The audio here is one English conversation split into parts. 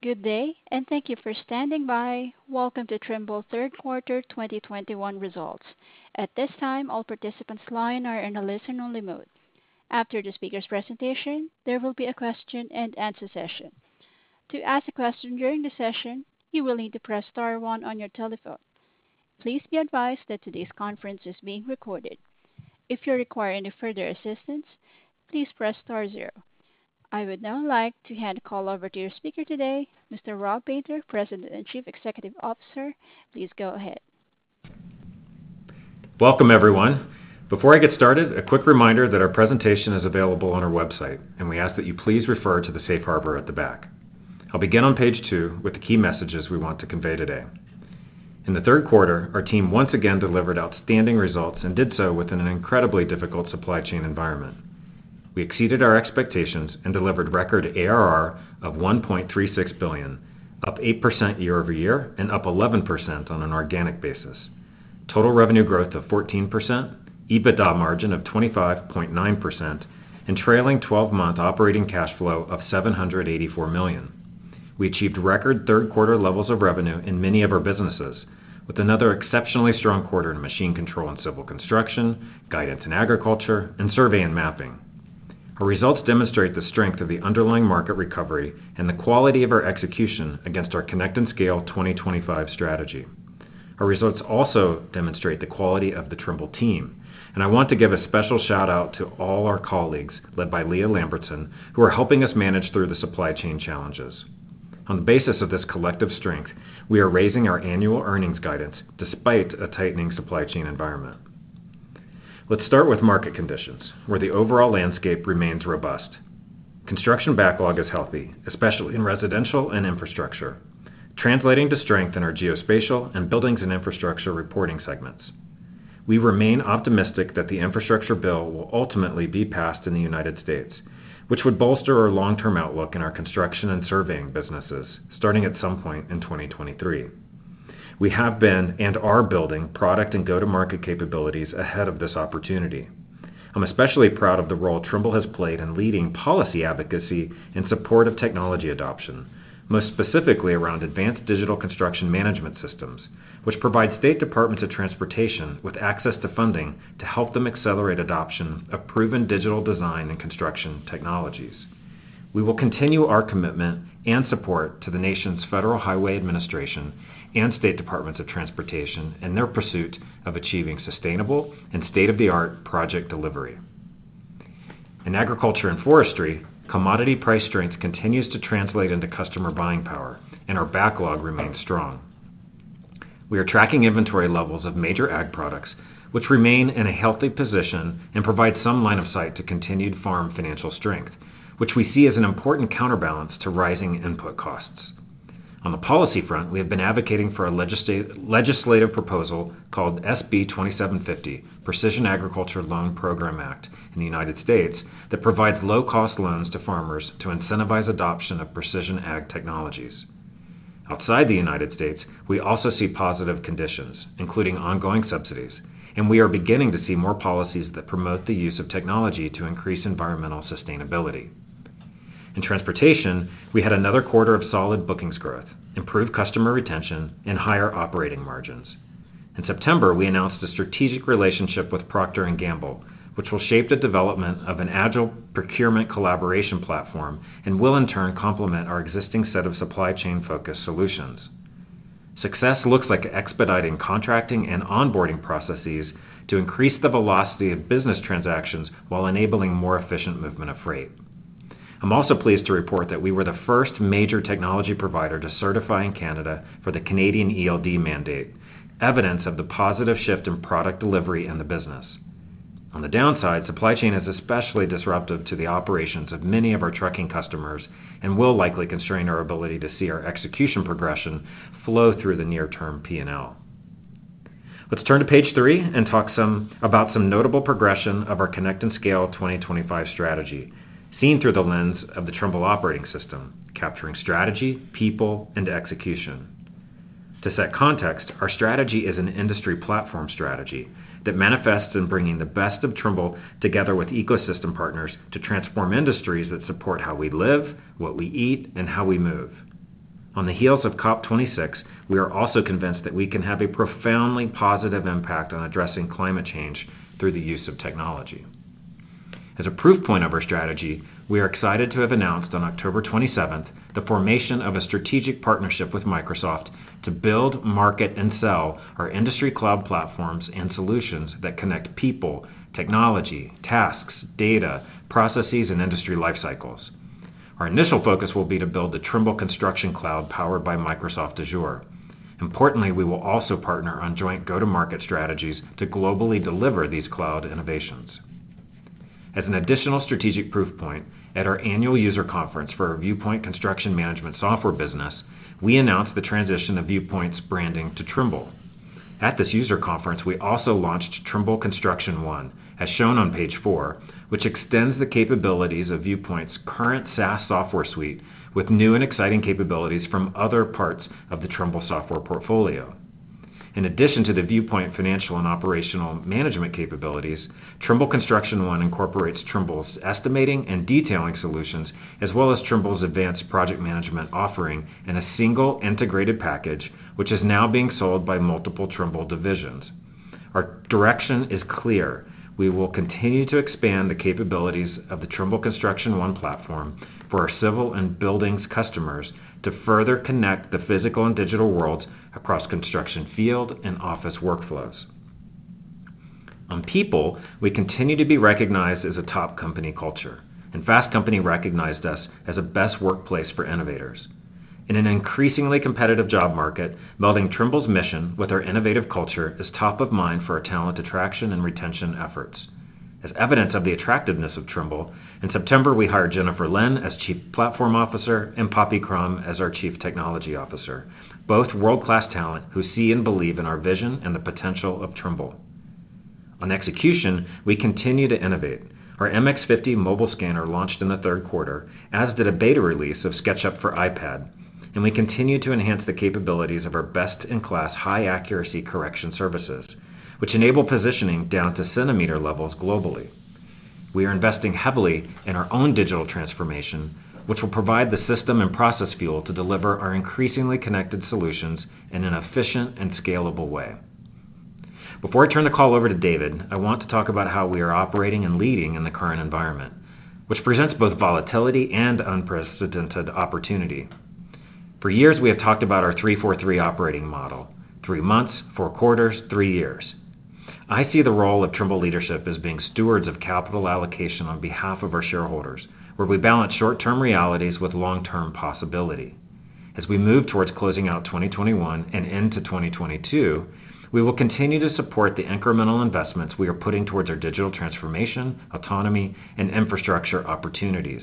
Good day, and thank you for standing by. Welcome to Trimble's third quarter 2021 results. At this time, all participants' lines are in a listen-only mode. After the speaker's presentation, there will be a question and answer session. To ask a question during the session, you will need to press star one on your telephone. Please be advised that today's conference is being recorded. If you require any further assistance, please press star zero. I would now like to hand the call over to your speaker today, Mr. Rob Painter, President and Chief Executive Officer. Please go ahead. Welcome, everyone. Before I get started, a quick reminder that our presentation is available on our website, and we ask that you please refer to the safe harbor at the back. I'll begin on page two with the key messages we want to convey today. In the third quarter, our team once again delivered outstanding results and did so within an incredibly difficult supply chain environment. We exceeded our expectations and delivered record ARR of $1.36 billion, up 8% year-over-year and up 11% on an organic basis. Total revenue growth of 14%, EBITDA margin of 25.9%, and trailing twelve-month operating cash flow of $784 million. We achieved record third quarter levels of revenue in many of our businesses, with another exceptionally strong quarter in machine control and civil construction, guidance in agriculture, and survey and mapping. Our results demonstrate the strength of the underlying market recovery and the quality of our execution against our Connect and Scale 2025 strategy. Our results also demonstrate the quality of the Trimble team, and I want to give a special shout-out to all our colleagues, led by Leah Lambertson, who are helping us manage through the supply chain challenges. On the basis of this collective strength, we are raising our annual earnings guidance despite a tightening supply chain environment. Let's start with market conditions, where the overall landscape remains robust. Construction backlog is healthy, especially in residential and infrastructure, translating to strength in our Geospatial and Buildings and Infrastructure reporting segments. We remain optimistic that the infrastructure bill will ultimately be passed in the United States, which would bolster our long-term outlook in our construction and surveying businesses, starting at some point in 2023. We have been and are building product and go-to-market capabilities ahead of this opportunity. I'm especially proud of the role Trimble has played in leading policy advocacy in support of technology adoption, most specifically around Advanced Digital Construction Management Systems, which provide state departments of transportation with access to funding to help them accelerate adoption of proven digital design and construction technologies. We will continue our commitment and support to the nation's Federal Highway Administration and state departments of transportation in their pursuit of achieving sustainable and state-of-the-art project delivery. In agriculture and forestry, commodity price strength continues to translate into customer buying power, and our backlog remains strong. We are tracking inventory levels of major ag products, which remain in a healthy position and provide some line of sight to continued farm financial strength, which we see as an important counterbalance to rising input costs. On the policy front, we have been advocating for a legislative proposal called SB2750, Precision Agriculture Loan Program Act in the United States that provides low-cost loans to farmers to incentivize adoption of precision ag technologies. Outside the United States, we also see positive conditions, including ongoing subsidies, and we are beginning to see more policies that promote the use of technology to increase environmental sustainability. In transportation, we had another quarter of solid bookings growth, improved customer retention, and higher operating margins. In September, we announced a strategic relationship with Procter & Gamble, which will shape the development of an agile procurement collaboration platform and will in turn complement our existing set of supply chain-focused solutions. Success looks like expediting contracting and onboarding processes to increase the velocity of business transactions while enabling more efficient movement of freight. I'm also pleased to report that we were the first major technology provider to certify in Canada for the Canadian ELD mandate, evidence of the positive shift in product delivery in the business. On the downside, supply chain is especially disruptive to the operations of many of our trucking customers and will likely constrain our ability to see our execution progression flow through the near-term P&L. Let's turn to page three and talk about some notable progression of our Connect and Scale 2025 strategy, seen through the lens of the Trimble operating system, capturing strategy, people, and execution. To set context, our strategy is an industry platform strategy that manifests in bringing the best of Trimble together with ecosystem partners to transform industries that support how we live, what we eat, and how we move. On the heels of COP26, we are also convinced that we can have a profoundly positive impact on addressing climate change through the use of technology. As a proof point of our strategy, we are excited to have announced on October 27th the formation of a strategic partnership with Microsoft to build, market, and sell our industry cloud platforms and solutions that connect people, technology, tasks, data, processes, and industry lifecycles. Our initial focus will be to build the Trimble Construction Cloud powered by Microsoft Azure. Importantly, we will also partner on joint go-to-market strategies to globally deliver these cloud innovations. As an additional strategic proof point, at our annual user conference for our Viewpoint Construction Management software business, we announced the transition of Viewpoint's branding to Trimble. At this user conference, we also launched Trimble Construction One, as shown on page four, which extends the capabilities of Viewpoint's current SaaS software suite with new and exciting capabilities from other parts of the Trimble software portfolio. In addition to the Viewpoint financial and operational management capabilities, Trimble Construction One incorporates Trimble's estimating and detailing solutions, as well as Trimble's advanced project management offering in a single integrated package, which is now being sold by multiple Trimble divisions. Our direction is clear. We will continue to expand the capabilities of the Trimble Construction One platform for our civil and buildings customers to further connect the physical and digital worlds across construction field and office workflows. On people, we continue to be recognized as a top company culture, and Fast Company recognized us as a best workplace for innovators. In an increasingly competitive job market, melding Trimble's mission with our innovative culture is top of mind for our talent attraction and retention efforts. As evidence of the attractiveness of Trimble, in September, we hired Jennifer Lin as Chief Platform Officer and Poppy Crum as our Chief Technology Officer, both world-class talent who see and believe in our vision and the potential of Trimble. On execution, we continue to innovate. Our MX50 mobile scanner launched in the third quarter, as did a beta release of SketchUp for iPad, and we continue to enhance the capabilities of our best-in-class high accuracy correction services, which enable positioning down to centimeter levels globally. We are investing heavily in our own digital transformation, which will provide the system and process fuel to deliver our increasingly connected solutions in an efficient and scalable way. Before I turn the call over to David, I want to talk about how we are operating and leading in the current environment, which presents both volatility and unprecedented opportunity. For years, we have talked about our 3-4-3 operating model, three months, four quarters, three years. I see the role of Trimble leadership as being stewards of capital allocation on behalf of our shareholders, where we balance short-term realities with long-term possibility. As we move towards closing out 2021 and into 2022, we will continue to support the incremental investments we are putting towards our digital transformation, autonomy, and infrastructure opportunities.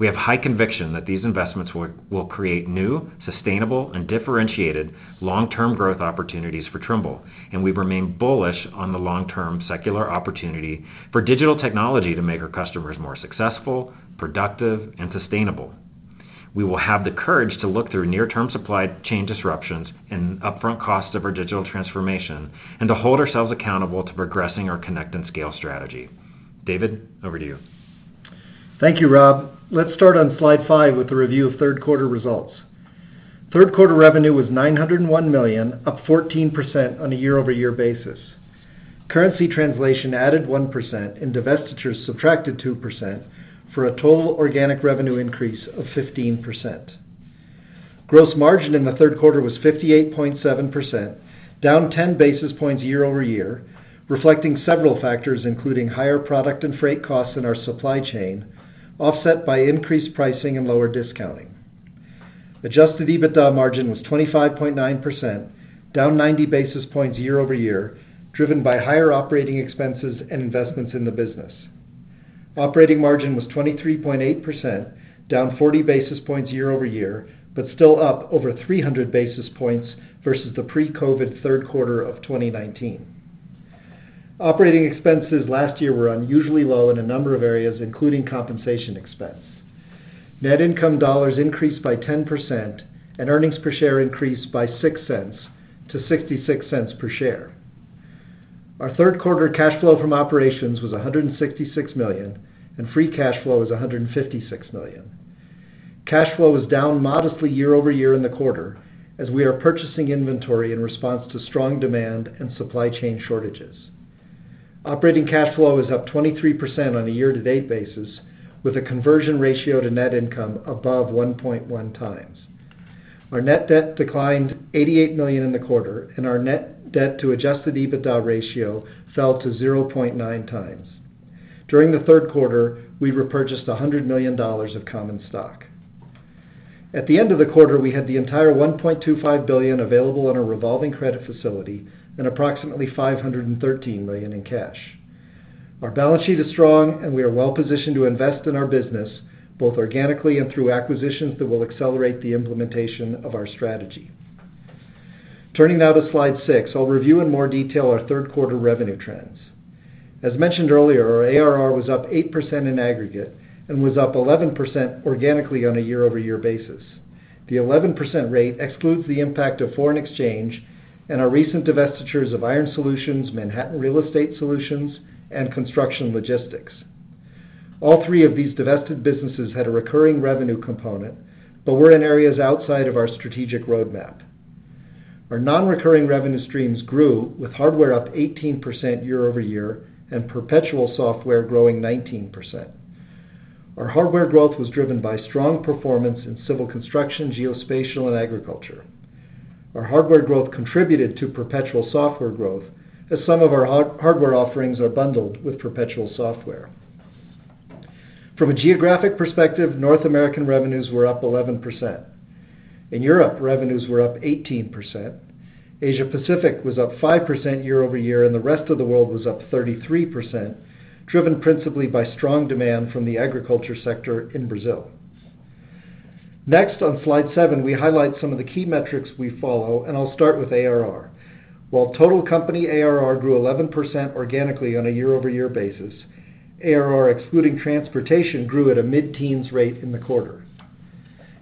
We have high conviction that these investments will create new, sustainable, and differentiated long-term growth opportunities for Trimble, and we remain bullish on the long-term secular opportunity for digital technology to make our customers more successful, productive, and sustainable. We will have the courage to look through near-term supply chain disruptions and upfront costs of our digital transformation and to hold ourselves accountable to progressing our Connect and Scale strategy. David, over to you. Thank you, Rob. Let's start on slide five with a review of third quarter results. Third quarter revenue was $901 million, up 14% on a year-over-year basis. Currency translation added 1%, and divestitures subtracted 2% for a total organic revenue increase of 15%. Gross margin in the third quarter was 58.7%, down 10 basis points year-over-year, reflecting several factors, including higher product and freight costs in our supply chain, offset by increased pricing and lower discounting. Adjusted EBITDA margin was 25.9%, down 90 basis points year-over-year, driven by higher operating expenses and investments in the business. Operating margin was 23.8%, down 40 basis points year-over-year, but still up over 300 basis points versus the pre-COVID third quarter of 2019. Operating expenses last year were unusually low in a number of areas, including compensation expense. Net income dollars increased by 10%, and earnings per share increased by $0.06 to $0.66 per share. Our third quarter cash flow from operations was $166 million, and free cash flow was $156 million. Cash flow was down modestly year-over-year in the quarter as we are purchasing inventory in response to strong demand and supply chain shortages. Operating cash flow is up 23% on a year-to-date basis, with a conversion ratio to net income above 1.1 times. Our net debt declined $88 million in the quarter, and our net debt to adjusted EBITDA ratio fell to 0.9x. During the third quarter, we repurchased $100 million of common stock. At the end of the quarter, we had the entire $1.25 billion available on a revolving credit facility and approximately $513 million in cash. Our balance sheet is strong, and we are well-positioned to invest in our business, both organically and through acquisitions that will accelerate the implementation of our strategy. Turning now to slide six, I'll review in more detail our third quarter revenue trends. As mentioned earlier, our ARR was up 8% in aggregate and was up 11% organically on a year-over-year basis. The 11% rate excludes the impact of foreign exchange and our recent divestitures of Iron Solutions, Manhattan Real Estate Solutions, and Construction Logistics. All three of these divested businesses had a recurring revenue component but were in areas outside of our strategic roadmap. Our non-recurring revenue streams grew, with hardware up 18% year-over-year and perpetual software growing 19%. Our hardware growth was driven by strong performance in civil construction, geospatial, and agriculture. Our hardware growth contributed to perpetual software growth as some of our hardware offerings are bundled with perpetual software. From a geographic perspective, North American revenues were up 11%. In Europe, revenues were up 18%. Asia-Pacific was up 5% year-over-year, and the rest of the world was up 33%, driven principally by strong demand from the agriculture sector in Brazil. Next, on slide seven, we highlight some of the key metrics we follow, and I'll start with ARR. While total company ARR grew 11% organically on a year-over-year basis, ARR excluding transportation grew at a mid-teens rate in the quarter.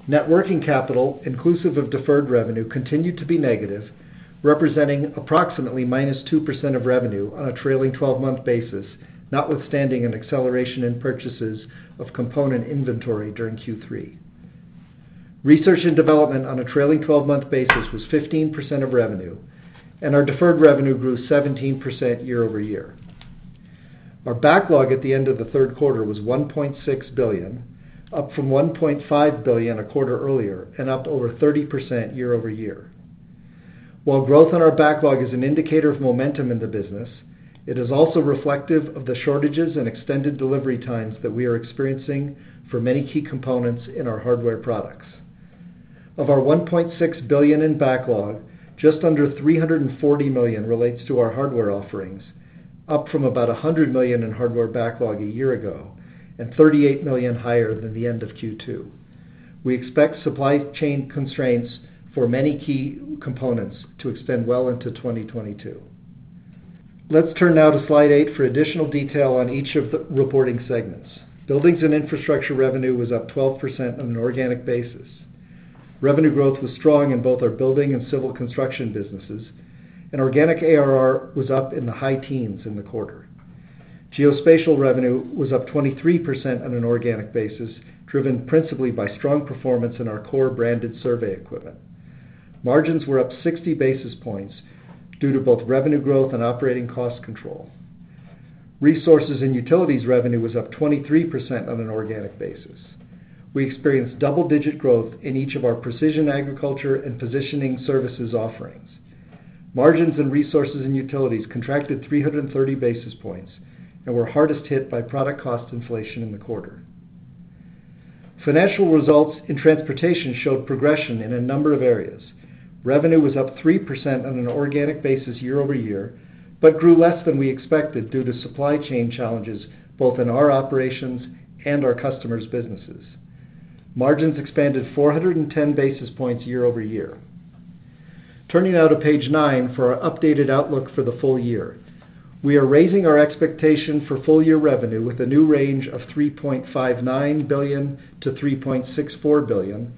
Net working capital, inclusive of deferred revenue, continued to be negative, representing approximately -2% of revenue on a trailing 12-month basis, notwithstanding an acceleration in purchases of component inventory during Q3. Research and development on a trailing 12-month basis was 15% of revenue, and our deferred revenue grew 17% year-over-year. Our backlog at the end of the third quarter was $1.6 billion, up from $1.5 billion a quarter earlier and up over 30% year-over-year. While growth on our backlog is an indicator of momentum in the business, it is also reflective of the shortages and extended delivery times that we are experiencing for many key components in our hardware products. Of our $1.6 billion in backlog, just under $340 million relates to our hardware offerings, up from about $100 million in hardware backlog a year ago and $38 million higher than the end of Q2. We expect supply chain constraints for many key components to extend well into 2022. Let's turn now to slide eight for additional detail on each of the reporting segments. Buildings and Infrastructure revenue was up 12% on an organic basis. Revenue growth was strong in both our building and civil construction businesses, and organic ARR was up in the high teens in the quarter. Geospatial revenue was up 23% on an organic basis, driven principally by strong performance in our core branded survey equipment. Margins were up 60 basis points due to both revenue growth and operating cost control. Resources and Utilities revenue was up 23% on an organic basis. We experienced double-digit growth in each of our precision agriculture and positioning services offerings. Margins in Resources and Utilities contracted 330 basis points and were hardest hit by product cost inflation in the quarter. Financial results in transportation showed progression in a number of areas. Revenue was up 3% on an organic basis year-over-year, but grew less than we expected due to supply chain challenges, both in our operations and our customers' businesses. Margins expanded 410 basis points year-over-year. Turning now to page nine for our updated outlook for the full year. We are raising our expectation for full year revenue with a new range of $3.59 billion-$3.64 billion,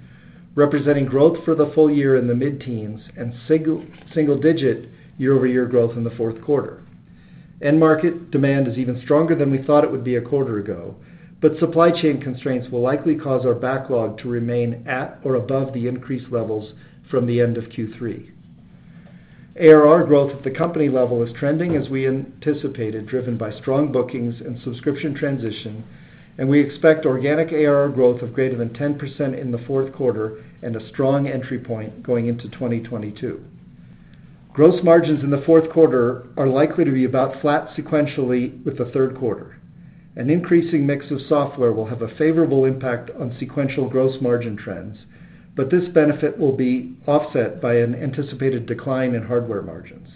representing growth for the full year in the mid-teens and single-digit year-over-year growth in the fourth quarter. End market demand is even stronger than we thought it would be a quarter ago, but supply chain constraints will likely cause our backlog to remain at or above the increased levels from the end of Q3. ARR growth at the company level is trending as we anticipated, driven by strong bookings and subscription transition, and we expect organic ARR growth of greater than 10% in the fourth quarter and a strong entry point going into 2022. Gross margins in the fourth quarter are likely to be about flat sequentially with the third quarter. An increasing mix of software will have a favorable impact on sequential gross margin trends, but this benefit will be offset by an anticipated decline in hardware margins.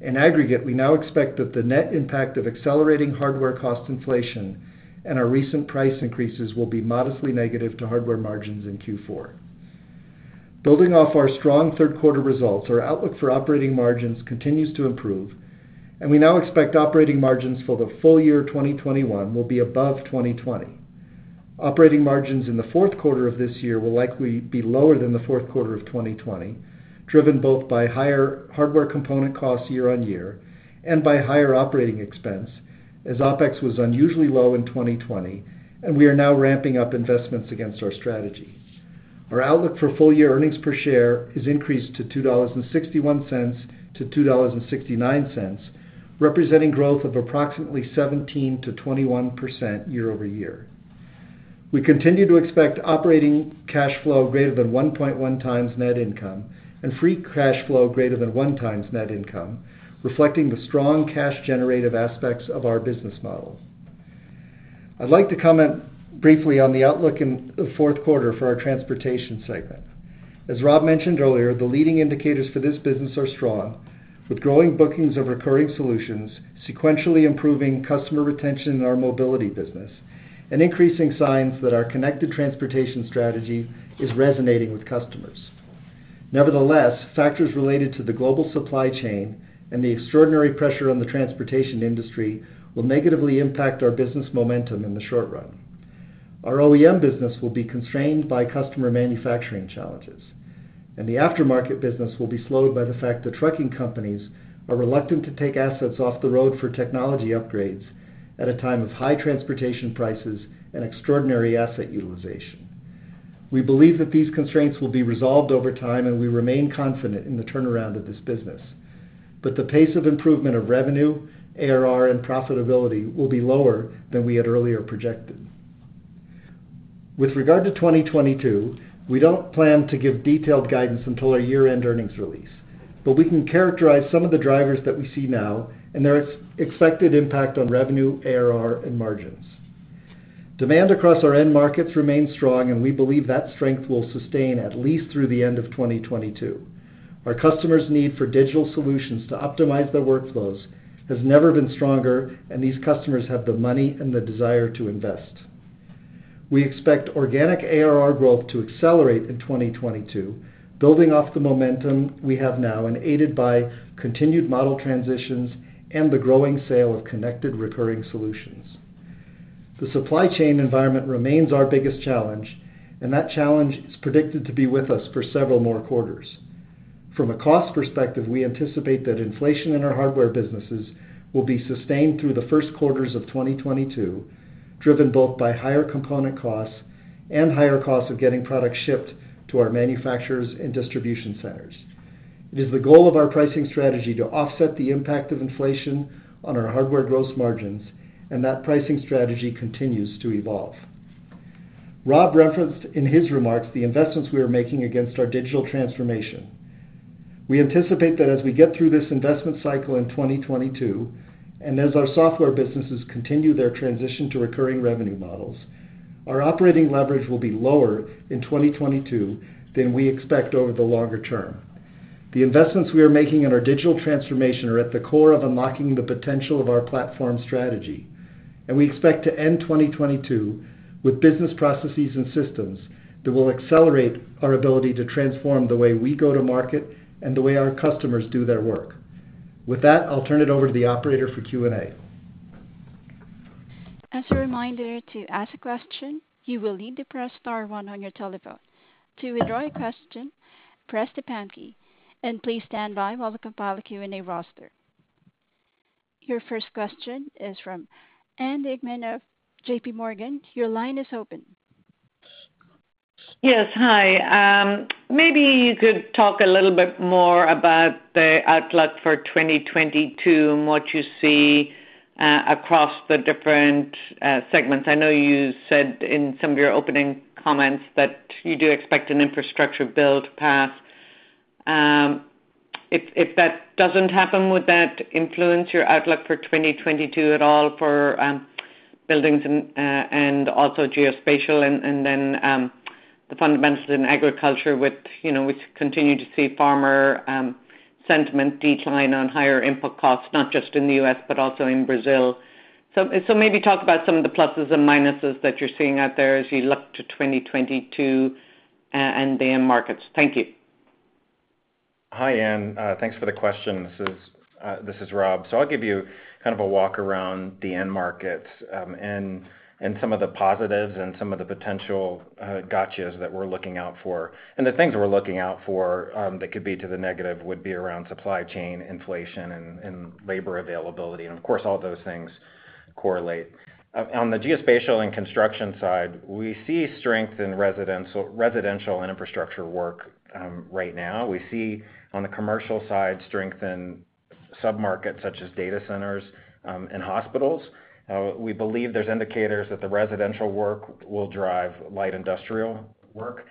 In aggregate, we now expect that the net impact of accelerating hardware cost inflation and our recent price increases will be modestly negative to hardware margins in Q4. Building off our strong third quarter results, our outlook for operating margins continues to improve, and we now expect operating margins for the full year 2021 will be above 2020. Operating margins in the fourth quarter of this year will likely be lower than the fourth quarter of 2020, driven both by higher hardware component costs year on year and by higher operating expense, as OpEx was unusually low in 2020, and we are now ramping up investments against our strategy. Our outlook for full year earnings per share has increased to $2.61-$2.69, representing growth of approximately 17%-21% year-over-year. We continue to expect operating cash flow greater than 1.1x net income and free cash flow greater than 1x net income, reflecting the strong cash generative aspects of our business model. I'd like to comment briefly on the outlook in the fourth quarter for our transportation segment. As Rob mentioned earlier, the leading indicators for this business are strong, with growing bookings of recurring solutions sequentially improving customer retention in our mobility business and increasing signs that our connected transportation strategy is resonating with customers. Nevertheless, factors related to the global supply chain and the extraordinary pressure on the transportation industry will negatively impact our business momentum in the short run. Our OEM business will be constrained by customer manufacturing challenges, and the aftermarket business will be slowed by the fact that trucking companies are reluctant to take assets off the road for technology upgrades at a time of high transportation prices and extraordinary asset utilization. We believe that these constraints will be resolved over time, and we remain confident in the turnaround of this business. The pace of improvement of revenue, ARR, and profitability will be lower than we had earlier projected. With regard to 2022, we don't plan to give detailed guidance until our year-end earnings release, but we can characterize some of the drivers that we see now and their expected impact on revenue, ARR, and margins. Demand across our end markets remains strong, and we believe that strength will sustain at least through the end of 2022. Our customers' need for digital solutions to optimize their workflows has never been stronger, and these customers have the money and the desire to invest. We expect organic ARR growth to accelerate in 2022, building off the momentum we have now and aided by continued model transitions and the growing sale of connected recurring solutions. The supply chain environment remains our biggest challenge, and that challenge is predicted to be with us for several more quarters. From a cost perspective, we anticipate that inflation in our hardware businesses will be sustained through the first quarters of 2022, driven both by higher component costs and higher costs of getting product shipped to our manufacturers and distribution centers. It is the goal of our pricing strategy to offset the impact of inflation on our hardware gross margins, and that pricing strategy continues to evolve. Rob referenced in his remarks the investments we are making against our digital transformation. We anticipate that as we get through this investment cycle in 2022, and as our software businesses continue their transition to recurring revenue models, our operating leverage will be lower in 2022 than we expect over the longer term. The investments we are making in our digital transformation are at the core of unlocking the potential of our platform strategy, and we expect to end 2022 with business processes and systems that will accelerate our ability to transform the way we go to market and the way our customers do their work. With that, I'll turn it over to the operator for Q&A. As a reminder, to ask a question, you will need to press star one on your telephone. To withdraw your question, press the pound key, and please stand by while we compile the Q&A roster. Your first question is from Ann Duignan of J.P. Morgan. Your line is open. Yes. Hi. Maybe you could talk a little bit more about the outlook for 2022 and what you see across the different segments. I know you said in some of your opening comments that you do expect an infrastructure build path. If that doesn't happen, would that influence your outlook for 2022 at all for buildings and also geospatial and then the fundamentals in agriculture with, you know, we continue to see farmer sentiment decline on higher input costs, not just in the U.S., but also in Brazil. Maybe talk about some of the pluses and minuses that you're seeing out there as you look to 2022 and the end markets. Thank you. Hi, Ann. Thanks for the question. This is Rob. I'll give you kind of a walk around the end markets, and some of the positives and some of the potential gotchas that we're looking out for. The things we're looking out for that could be to the negative would be around supply chain inflation and labor availability. Of course, all of those things correlate. On the geospatial and construction side, we see strength in residential and infrastructure work right now. We see on the commercial side strength in submarkets such as data centers and hospitals. We believe there's indicators that the residential work will drive light industrial work.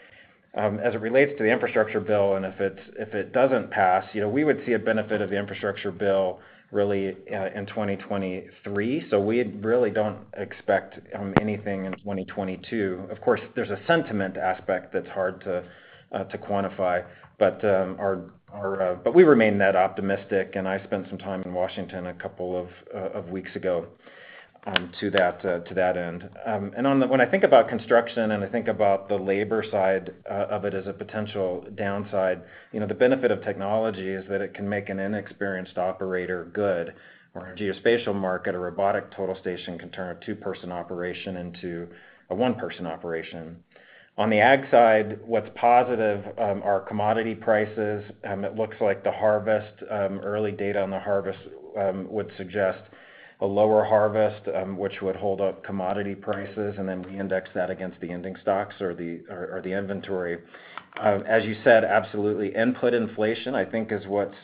As it relates to the infrastructure bill, if it doesn't pass, you know, we would see a benefit of the infrastructure bill really in 2023. We really don't expect anything in 2022. Of course, there's a sentiment aspect that's hard to quantify. We remain net optimistic, and I spent some time in Washington a couple of weeks ago to that end. When I think about construction and I think about the labor side of it as a potential downside, you know, the benefit of technology is that it can make an inexperienced operator good. Or in a geospatial market, a robotic total station can turn a two-person operation into a one-person operation. On the ag side, what's positive are commodity prices. It looks like the harvest, early data on the harvest, would suggest a lower harvest, which would hold up commodity prices, and then we index that against the ending stocks or the inventory. As you said, absolutely, input inflation, I think is what's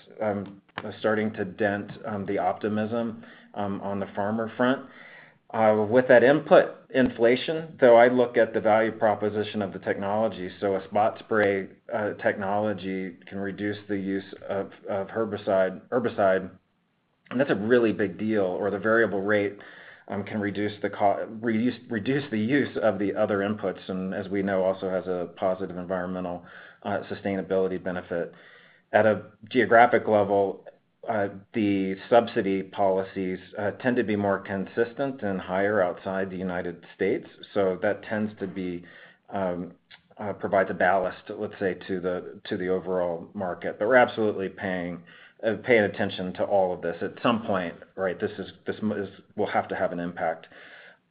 starting to dent the optimism on the farmer front. With that input inflation, though, I look at the value proposition of the technology. A spot spray technology can reduce the use of herbicide, and that's a really big deal. The variable rate can reduce the use of the other inputs and as we know, also has a positive environmental sustainability benefit. At a geographic level, the subsidy policies tend to be more consistent and higher outside the United States. That provides a ballast, let's say, to the overall market. We're absolutely paying attention to all of this. At some point, right, this will have to have an impact.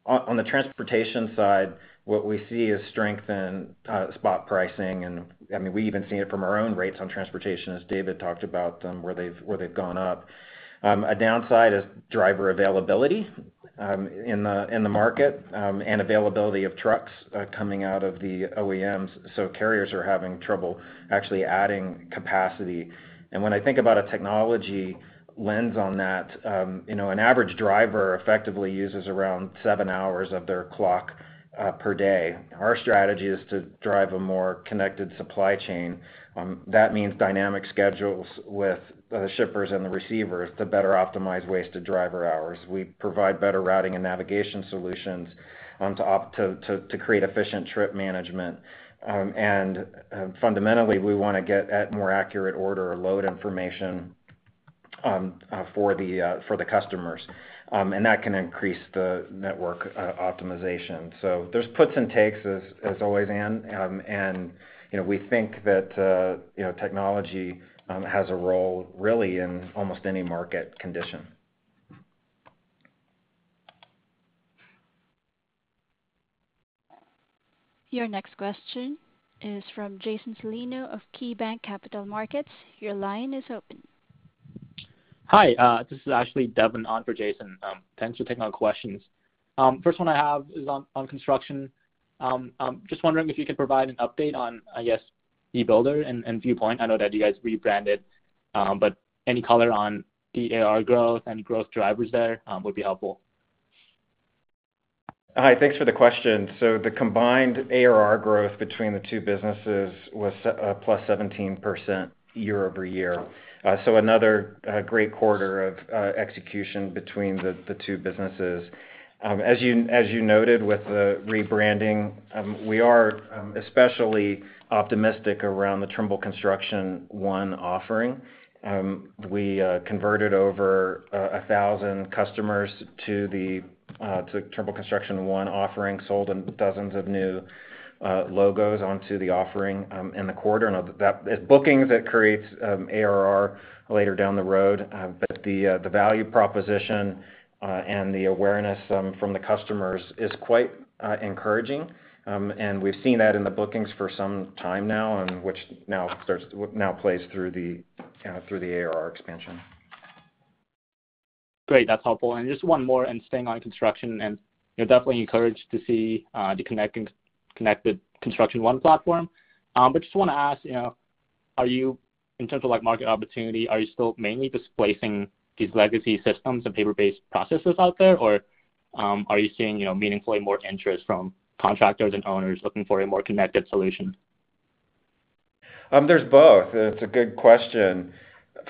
On the transportation side, what we see is strength in spot pricing. I mean, we even see it from our own rates on transportation as David talked about, where they've gone up. A downside is driver availability in the market and availability of trucks coming out of the OEMs. Carriers are having trouble actually adding capacity. When I think about a technology lens on that, you know, an average driver effectively uses around seven hours of their clock per day. Our strategy is to drive a more connected supply chain. That means dynamic schedules with the shippers and the receivers to better optimize wasted driver hours. We provide better routing and navigation solutions to create efficient trip management. Fundamentally, we wanna get at more accurate order or load information for the customers. That can increase the network optimization. There's puts and takes as always, Ann. You know, we think that you know, technology has a role really in almost any market condition. Your next question is from Jason Celino of KeyBanc Capital Markets. Your line is open. Hi, this is actually Devin on for Jason. Thanks for taking our questions. First one I have is on construction. Just wondering if you could provide an update on, I guess, e-Builder and Viewpoint. I know that you guys rebranded, but any color on the AR growth, any growth drivers there, would be helpful. Hi, thanks for the question. The combined ARR growth between the two businesses was +17% year-over-year. Another great quarter of execution between the two businesses. As you noted with the rebranding, we are especially optimistic around the Trimble Construction One offering. We converted over 1,000 customers to the Trimble Construction One offering, sold in dozens of new logos onto the offering in the quarter. It's bookings that creates ARR later down the road. But the value proposition and the awareness from the customers is quite encouraging. We've seen that in the bookings for some time now and which now plays through the ARR expansion. Great. That's helpful. Just one more and staying on construction, you know, definitely encouraged to see the Trimble Construction One platform. Just wanna ask, you know, are you, in terms of, like, market opportunity, are you still mainly displacing these legacy systems and paper-based processes out there? Or, are you seeing, you know, meaningfully more interest from contractors and owners looking for a more connected solution? There's both. It's a good question.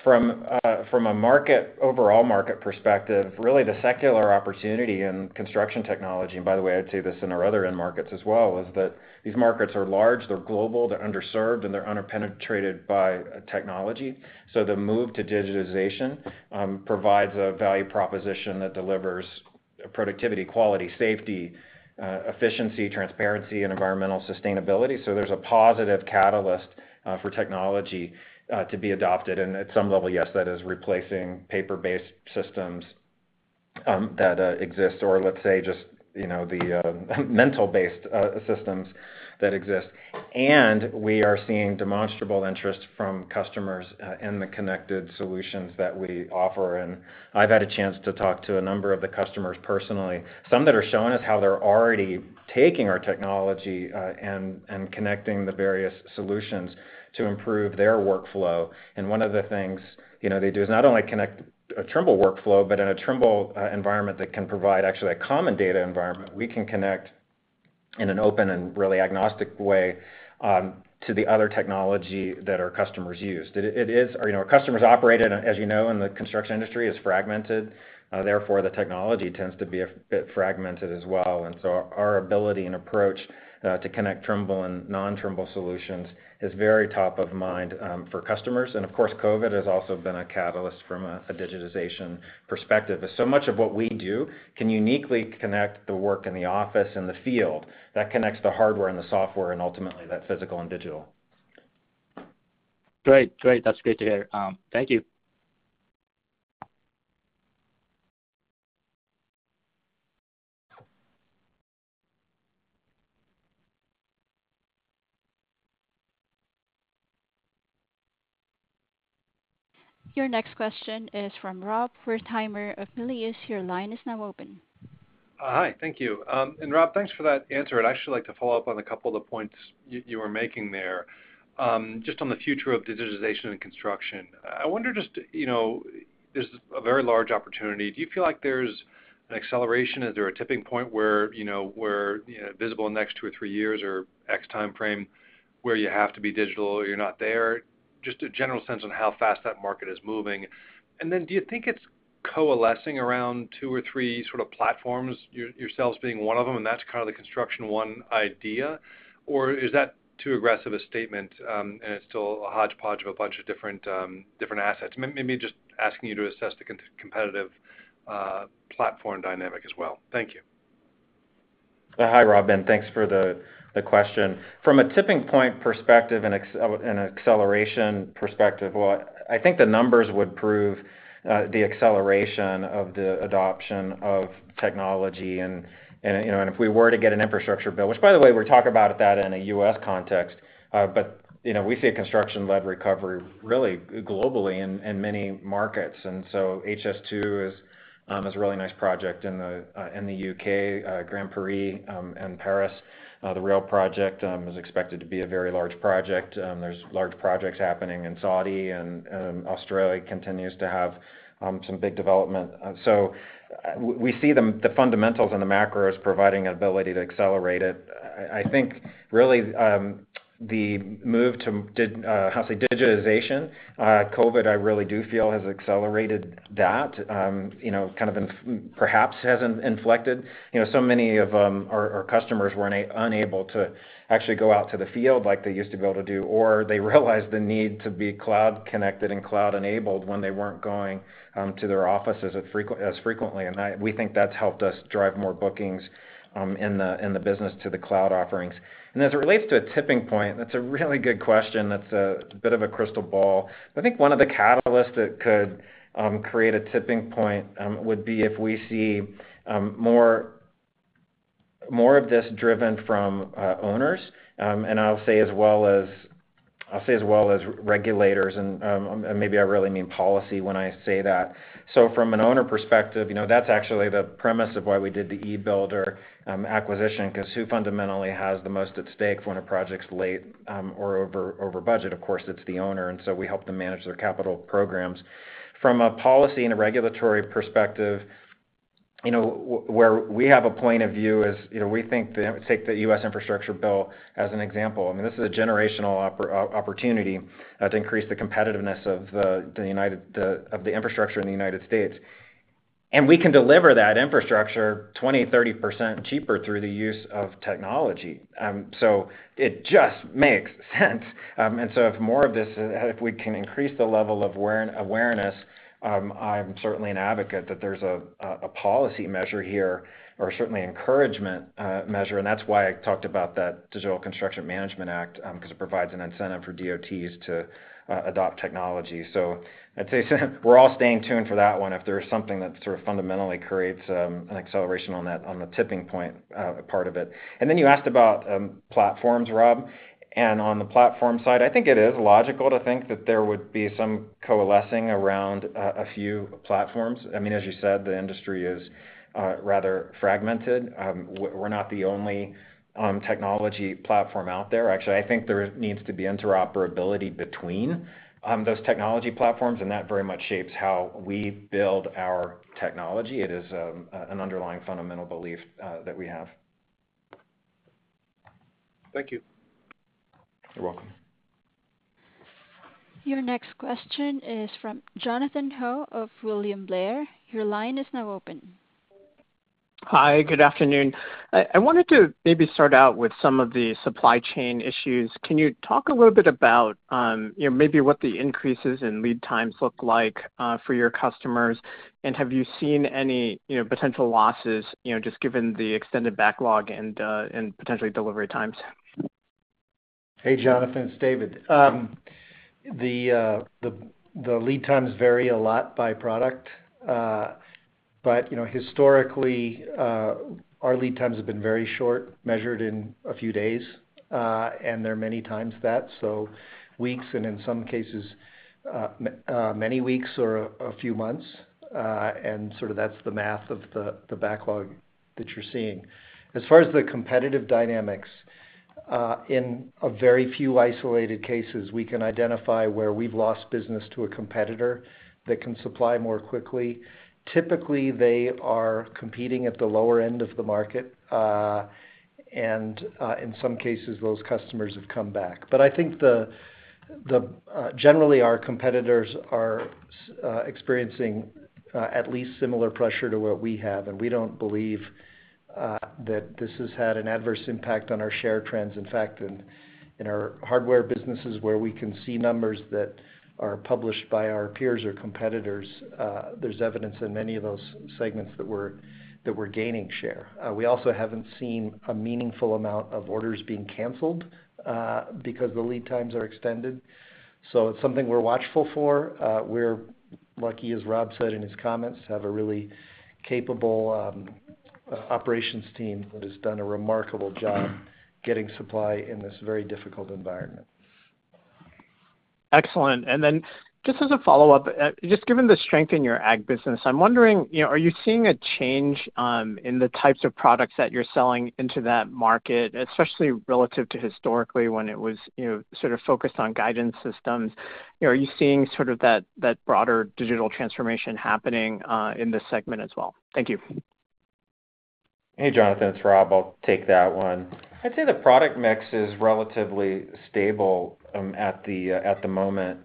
From a macro overall market perspective, really the secular opportunity in construction technology, and by the way, I'd say this in our other end markets as well, is that these markets are large, they're global, they're underserved, and they're under-penetrated by technology. The move to digitization provides a value proposition that delivers productivity, quality, safety, efficiency, transparency and environmental sustainability. There's a positive catalyst for technology to be adopted. At some level, yes, that is replacing paper-based systems that exist or let's say just, you know, the manual-based systems that exist. We are seeing demonstrable interest from customers in the connected solutions that we offer. I've had a chance to talk to a number of the customers personally, some that are showing us how they're already taking our technology and connecting the various solutions to improve their workflow. One of the things, you know, they do is not only connect a Trimble workflow, but in a Trimble environment that can provide actually a common data environment. We can connect in an open and really agnostic way to the other technology that our customers use. You know, our customers operate, as you know, in the construction industry, is fragmented, therefore, the technology tends to be a bit fragmented as well. Our ability and approach to connect Trimble and non-Trimble solutions is very top of mind for customers. Of course, COVID has also been a catalyst from a digitization perspective. Much of what we do can uniquely connect the work in the office and the field that connects the hardware and the software and ultimately that physical and digital. Great. That's great to hear. Thank you. Your next question is from Rob Wertheimer of Melius Research. Your line is now open. Hi. Thank you. Rob, thanks for that answer. I'd actually like to follow up on a couple of the points you were making there. Just on the future of digitization and construction, I wonder just you know, there's a very large opportunity. Do you feel like there's an acceleration? Is there a tipping point where you know visible next two or three years or X timeframe where you have to be digital or you're not there? Just a general sense on how fast that market is moving. Do you think it's coalescing around two or three sort of platforms, yourselves being one of them, and that's kind of the Construction One idea? Or is that too aggressive a statement, and it's still a hodgepodge of a bunch of different assets? Maybe just asking you to assess the competitive platform dynamic as well. Thank you. Hi, Rob, and thanks for the question. From a tipping point perspective and an acceleration perspective, well, I think the numbers would prove the acceleration of the adoption of technology. You know, if we were to get an infrastructure bill, which by the way we talk about that in a U.S. context, but you know, we see a construction-led recovery really globally in many markets. HS2 is a really nice project in the U.K. Grand Paris in Paris, the rail project, is expected to be a very large project. There's large projects happening in Saudi, and Australia continues to have some big development. We see the fundamentals and the macros providing an ability to accelerate it. I think really the move to digitization COVID I really do feel has accelerated that you know kind of perhaps has inflected. You know so many of our customers were unable to actually go out to the field like they used to be able to do or they realized the need to be cloud connected and cloud enabled when they weren't going to their offices as frequently. We think that's helped us drive more bookings in the business to the cloud offerings. As it relates to a tipping point that's a really good question that's a it's a bit of a crystal ball. I think one of the catalysts that could create a tipping point would be if we see more of this driven from owners, and I'll say as well as regulators and maybe I really mean policy when I say that. From an owner perspective, you know, that's actually the premise of why we did the e-Builder acquisition, because who fundamentally has the most at stake when a project's late or over budget? Of course, it's the owner, and so we help them manage their capital programs. From a policy and a regulatory perspective, you know, where we have a point of view is, you know, we think, take the U.S. Infrastructure Bill as an example. I mean, this is a generational opportunity to increase the competitiveness of the infrastructure in the United States. We can deliver that infrastructure 20%-30% cheaper through the use of technology. It just makes sense. If more of this, if we can increase the level of awareness, I'm certainly an advocate that there's a policy measure here, or certainly encouragement measure. That's why I talked about that Advanced Digital Construction Management Act, because it provides an incentive for DOTs to adopt technology. I'd say we're all staying tuned for that one if there's something that sort of fundamentally creates an acceleration on that, on the tipping point part of it. Then you asked about platforms, Rob. On the platform side, I think it is logical to think that there would be some coalescing around a few platforms. I mean, as you said, the industry is rather fragmented. We're not the only technology platform out there. Actually, I think there needs to be interoperability between those technology platforms, and that very much shapes how we build our technology. It is an underlying fundamental belief that we have. Thank you. You're welcome. Your next question is from Jonathan Ho of William Blair. Your line is now open. Hi, good afternoon. I wanted to maybe start out with some of the supply chain issues. Can you talk a little bit about, you know, maybe what the increases in lead times look like, for your customers? Have you seen any, you know, potential losses, you know, just given the extended backlog and potentially delivery times? Hey, Jonathan, it's David. The lead times vary a lot by product. You know, historically, our lead times have been very short, measured in a few days, and they're many times that, so weeks and in some cases, many weeks or a few months. Sort of that's the math of the backlog that you're seeing. As far as the competitive dynamics, in a very few isolated cases, we can identify where we've lost business to a competitor that can supply more quickly. Typically, they are competing at the lower end of the market, and in some cases, those customers have come back. I think generally our competitors are experiencing at least similar pressure to what we have, and we don't believe that this has had an adverse impact on our share trends. In fact, in our hardware businesses where we can see numbers that are published by our peers or competitors, there's evidence in many of those segments that we're gaining share. We also haven't seen a meaningful amount of orders being canceled because the lead times are extended. It's something we're watchful for. We're lucky, as Rob said in his comments, to have a really capable operations team that has done a remarkable job getting supply in this very difficult environment. Excellent. Just as a follow-up, just given the strength in your ag business, I'm wondering, you know, are you seeing a change in the types of products that you're selling into that market, especially relative to historically when it was, you know, sort of focused on guidance systems? You know, are you seeing sort of that broader digital transformation happening in this segment as well? Thank you. Hey, Jonathan, it's Rob. I'll take that one. I'd say the product mix is relatively stable at the moment.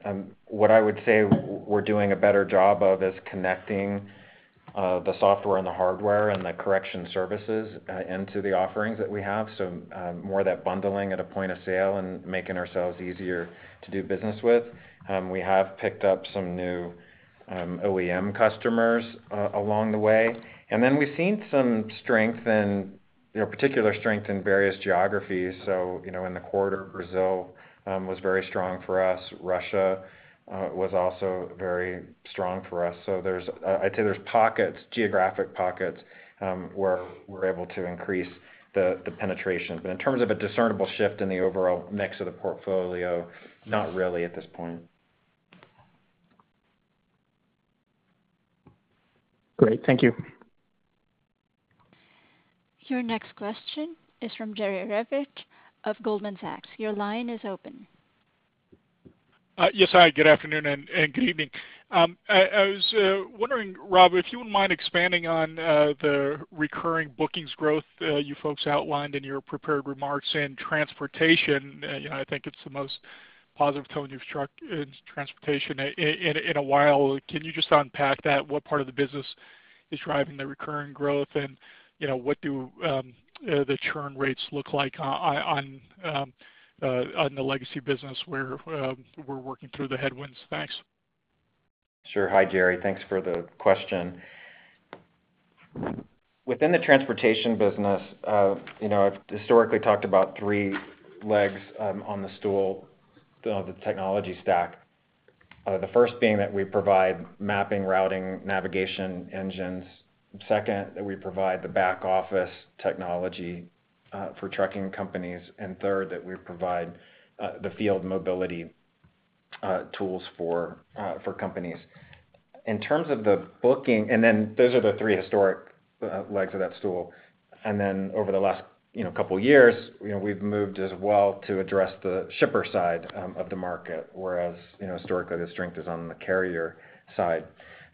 What I would say we're doing a better job of is connecting the software and the hardware and the correction services into the offerings that we have. More of that bundling at a point of sale and making ourselves easier to do business with. We have picked up some new OEM customers along the way. Then we've seen some strength in, you know, particular strength in various geographies. In the quarter, Brazil was very strong for us. Russia was also very strong for us. I'd say there's pockets, geographic pockets, where we're able to increase the penetration. But in terms of a discernible shift in the overall mix of the portfolio, not really at this point. Great. Thank you. Your next question is from Jerry Revich of Goldman Sachs. Your line is open. Yes. Hi, good afternoon and good evening. I was wondering, Rob, if you wouldn't mind expanding on the recurring bookings growth you folks outlined in your prepared remarks in transportation. You know, I think it's the most positive tone you've struck in transportation in a while. Can you just unpack that? What part of the business is driving the recurring growth? You know, what do the churn rates look like on the legacy business where we're working through the headwinds? Thanks. Sure. Hi, Jerry. Thanks for the question. Within the transportation business, you know, I've historically talked about three legs on the stool, the technology stack. The first being that we provide mapping, routing, navigation engines. Second, that we provide the back-office technology for trucking companies. Third, that we provide the field mobility tools for companies. Those are the three historic legs of that stool. Over the last couple years, you know, we've moved as well to address the shipper side of the market, whereas, you know, historically, the strength is on the carrier side.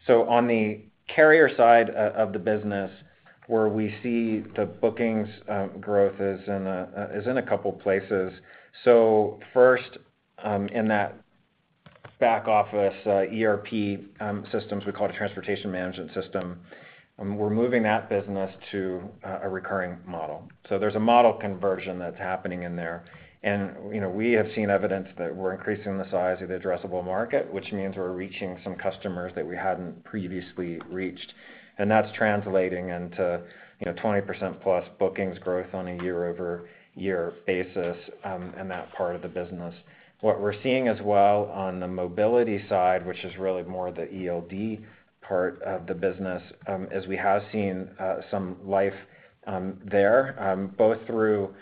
On the carrier side of the business where we see the bookings growth is in a couple places. First, in that back office, ERP systems, we call it Transportation Management System, we're moving that business to a recurring model. There's a model conversion that's happening in there. You know, we have seen evidence that we're increasing the size of the addressable market, which means we're reaching some customers that we hadn't previously reached. That's translating into, you know, 20% plus bookings growth on a year-over-year basis, in that part of the business. What we're seeing as well on the mobility side, which is really more the ELD part of the business, is we have seen some life there, both through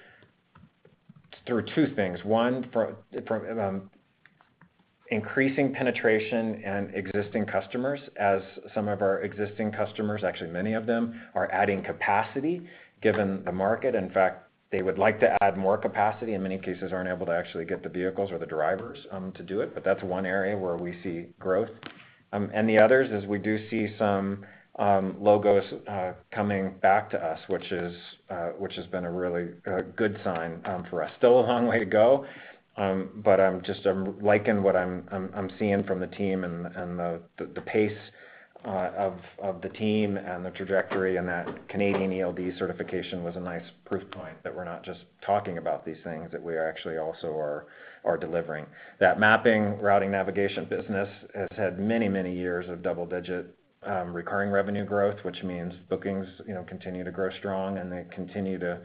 two things. One, for increasing penetration in existing customers, as some of our existing customers, actually many of them, are adding capacity, given the market. In fact, they would like to add more capacity, in many cases, aren't able to actually get the vehicles or the drivers to do it. That's one area where we see growth. The others is we do see some logos coming back to us, which has been a really good sign for us. Still a long way to go, but I'm liking what I'm seeing from the team and the pace of the team and the trajectory, and that Canadian ELD certification was a nice proof point that we're not just talking about these things, that we are actually also delivering. That mapping, routing, navigation business has had many, many years of double-digit recurring revenue growth, which means bookings, you know, continue to grow strong, and they continue to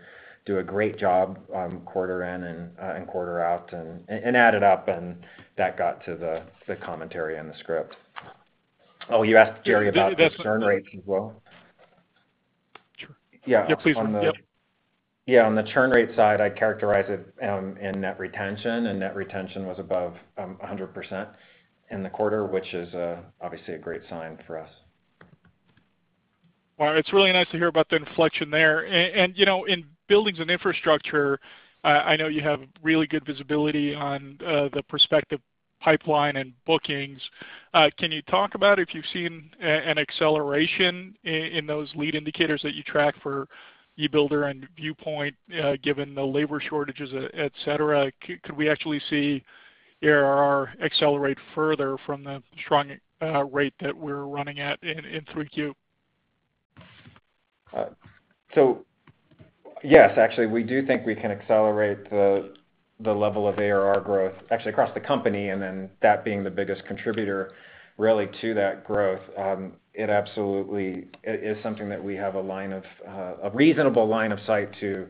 do a great job quarter in and quarter out, and add it up, and that got to the commentary in the script. Oh, you asked, Jerry, about the churn rate as well? Sure. Yeah. Yeah, please. Yep. Yeah. On the churn rate side, I characterize it in net retention, and net retention was above 100% in the quarter, which is obviously a great sign for us. Well, it's really nice to hear about the inflection there. You know, in Buildings and Infrastructure, I know you have really good visibility on the prospective pipeline and bookings. Can you talk about if you've seen an acceleration in those lead indicators that you track for e-Builder and Viewpoint, given the labor shortages, et cetera? Could we actually see ARR accelerate further from the strong rate that we're running at in 3Q? Yes, actually, we do think we can accelerate the level of ARR growth actually across the company, and then that being the biggest contributor really to that growth. It absolutely is something that we have a line of a reasonable line of sight to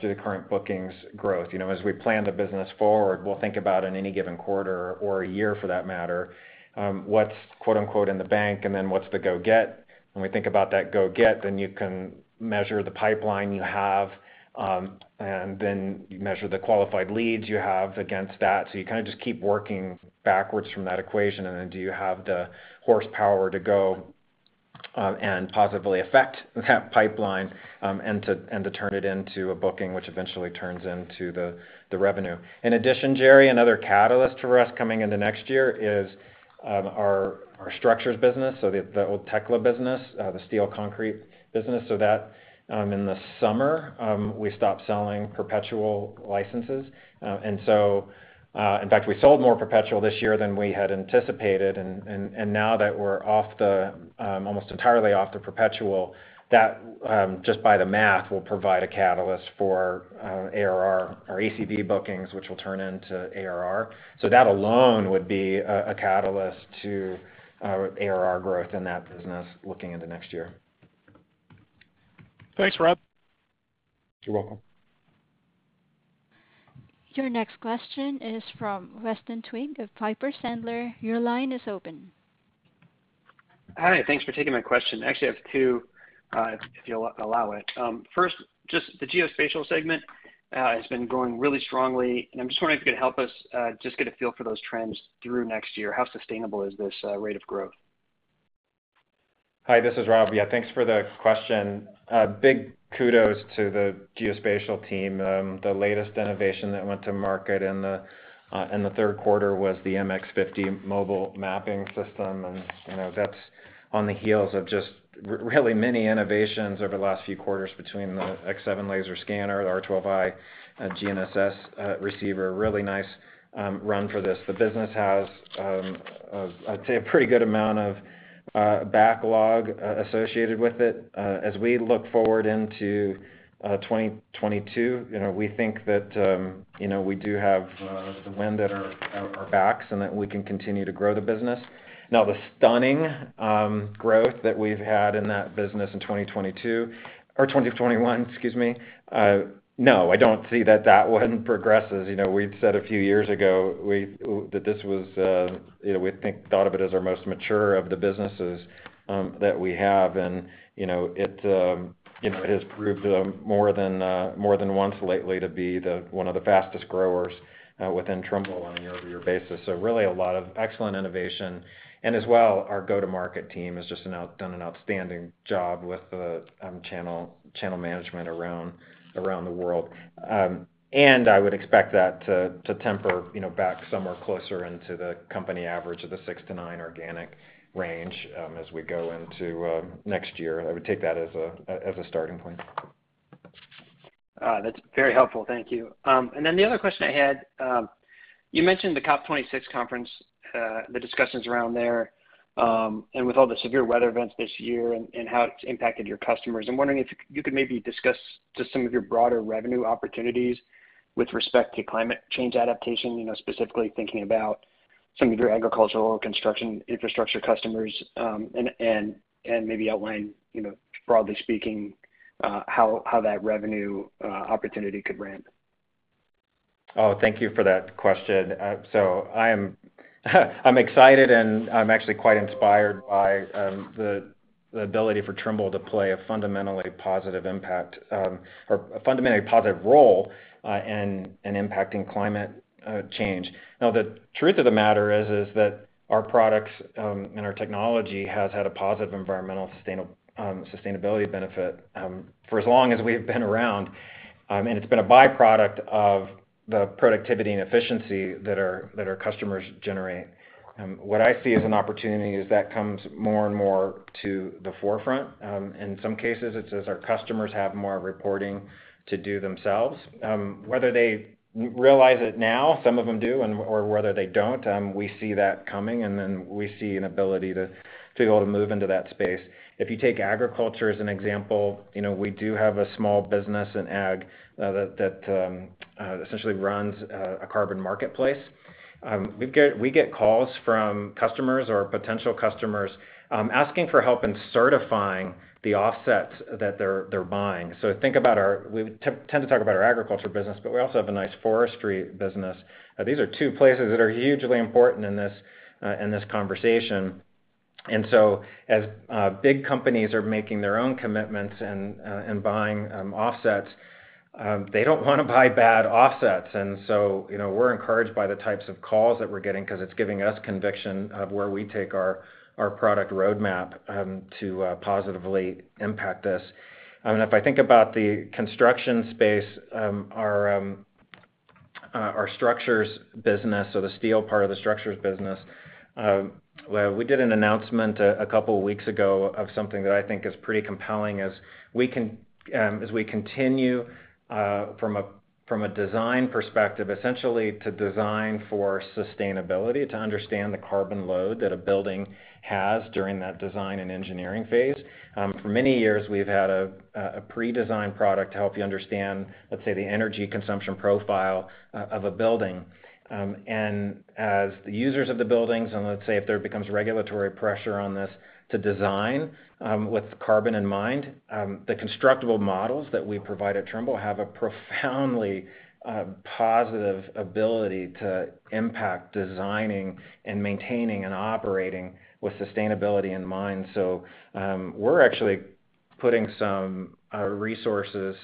through the current bookings growth. You know, as we plan the business forward, we'll think about in any given quarter or a year for that matter, what's "in the bank," and then what's the go get. When we think about that go get, then you can measure the pipeline you have, and then you measure the qualified leads you have against that. You kinda just keep working backwards from that equation, and then do you have the horsepower to go, and positively affect that pipeline, and to turn it into a booking, which eventually turns into the revenue. In addition, Jerry, another catalyst for us coming into next year is our structures business, so the old Tekla business, the steel concrete business. That in the summer we stopped selling perpetual licenses. In fact, we sold more perpetual this year than we had anticipated. Now that we're almost entirely off the perpetual, that just by the math will provide a catalyst for ARR or ACV bookings, which will turn into ARR. That alone would be a catalyst to our ARR growth in that business looking into next year. Thanks, Rob. You're welcome. Your next question is from Weston Twigg of Piper Sandler. Your line is open. Hi. Thanks for taking my question. Actually, I have two, if you'll allow it. First, just the Geospatial segment has been growing really strongly, and I'm just wondering if you could help us, just get a feel for those trends through next year. How sustainable is this rate of growth? Hi, this is Rob. Yeah, thanks for the question. Big kudos to the Geospatial team. The latest innovation that went to market in the third quarter was the MX50 mobile mapping system. You know, that's on the heels of just really many innovations over the last few quarters between the X7 laser scanner, the R12i GNSS receiver. Really nice run for this. The business has a, I'd say, a pretty good amount of backlog associated with it. As we look forward into 2022, you know, we think that, you know, we do have the wind at our backs, and that we can continue to grow the business. Now, the stunning growth that we've had in that business in 2022 or 2021, excuse me, no, I don't see that one progresses. You know, we'd said a few years ago that this was, you know, thought of it as our most mature of the businesses that we have. You know, it has proved more than once lately to be one of the fastest growers within Trimble on a year-over-year basis. Really a lot of excellent innovation. As well, our go-to-market team has just done an outstanding job with the channel management around the world. I would expect that to temper back somewhere closer into the company average of the 6%-9% organic range as we go into next year. I would take that as a starting point. That's very helpful. Thank you. The other question I had, you mentioned the COP26 conference, the discussions around there, and with all the severe weather events this year and how it's impacted your customers. I'm wondering if you could maybe discuss just some of your broader revenue opportunities with respect to climate change adaptation, you know, specifically thinking about some of your agricultural construction infrastructure customers, and maybe outline, you know, broadly speaking, how that revenue opportunity could ramp. Oh, thank you for that question. I'm excited, and I'm actually quite inspired by the ability for Trimble to play a fundamentally positive impact or a fundamentally positive role in impacting climate change. Now, the truth of the matter is that our products and our technology has had a positive environmental sustainability benefit for as long as we've been around, and it's been a by-product of the productivity and efficiency that our customers generate. What I see as an opportunity is that comes more and more to the forefront. In some cases, it's as our customers have more reporting to do themselves. Whether they realize it now, some of them do and/or whether they don't, we see that coming, and then we see an ability to be able to move into that space. If you take agriculture as an example, you know, we do have a small business in ag that essentially runs a carbon marketplace. We get calls from customers or potential customers asking for help in certifying the offsets that they're buying. Think about our agriculture business, but we also have a nice forestry business. These are two places that are hugely important in this conversation. As big companies are making their own commitments and buying offsets, they don't wanna buy bad offsets. You know, we're encouraged by the types of calls that we're getting because it's giving us conviction of where we take our product roadmap to positively impact this. I mean, if I think about the construction space, our structures business or the steel part of the structures business, where we did an announcement a couple of weeks ago of something that I think is pretty compelling as we continue from a design perspective, essentially to design for sustainability, to understand the carbon load that a building has during that design and engineering phase. For many years, we've had a pre-design product to help you understand, let's say, the energy consumption profile of a building. As the users of the buildings, let's say, if there becomes regulatory pressure on this to design with carbon in mind, the constructible models that we provide at Trimble have a profoundly positive ability to impact designing and maintaining and operating with sustainability in mind. We're actually putting some resources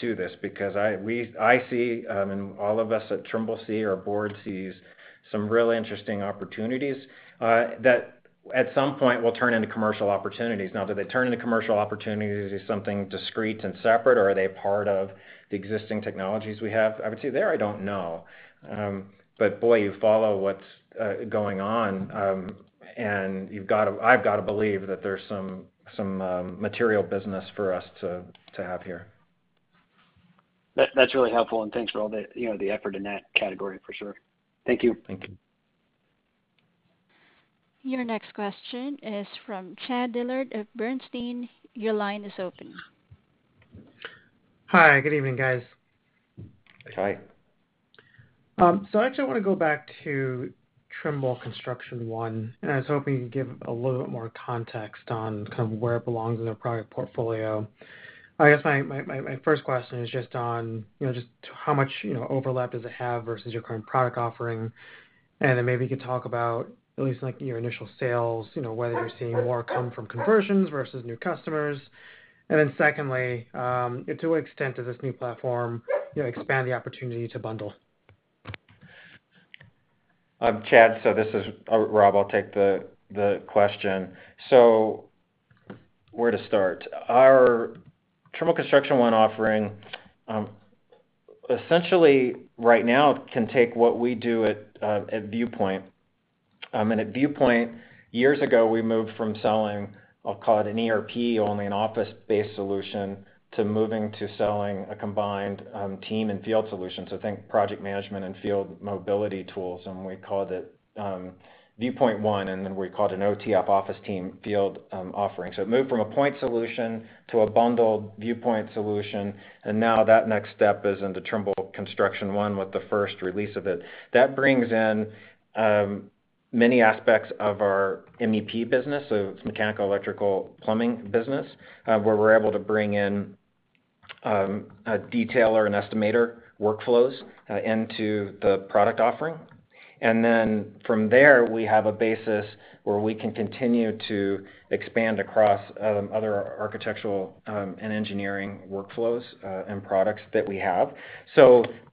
to this because I see, and all of us at Trimble see, our board sees some real interesting opportunities that at some point will turn into commercial opportunities. Now, do they turn into commercial opportunities as something discrete and separate, or are they part of the existing technologies we have? I would say there. I don't know. Boy, you follow what's going on, and I've gotta believe that there's some material business for us to have here. That's really helpful, and thanks for all the, you know, the effort in that category for sure. Thank you. Thank you. Your next question is from Chad Dillard of Bernstein. Your line is open. Hi. Good evening, guys. Hi. I actually wanna go back to Trimble Construction One, and I was hoping you could give a little bit more context on kind of where it belongs in the product portfolio. I guess my first question is just on, you know, just how much, you know, overlap does it have versus your current product offering. Maybe you could talk about at least, like, your initial sales, you know, whether you're seeing more come from conversions versus new customers. Secondly, to what extent does this new platform, you know, expand the opportunity to bundle? Chad, this is Rob. I'll take the question. Where to start? Our Trimble Construction One offering, essentially right now, can take what we do at Viewpoint. At Viewpoint, years ago, we moved from selling, I'll call it an ERP, only an office-based solution, to moving to selling a combined team and field solution. Think project management and field mobility tools, and we called it Viewpoint One, and then we called it an OTF, Office Team Field, offering. It moved from a point solution to a bundled Viewpoint solution, and now that next step is into Trimble Construction One with the first release of it. That brings in many aspects of our MEP business. Mechanical, electrical, plumbing business, where we're able to bring in a detailer and estimator workflows into the product offering. From there, we have a basis where we can continue to expand across other architectural and engineering workflows and products that we have.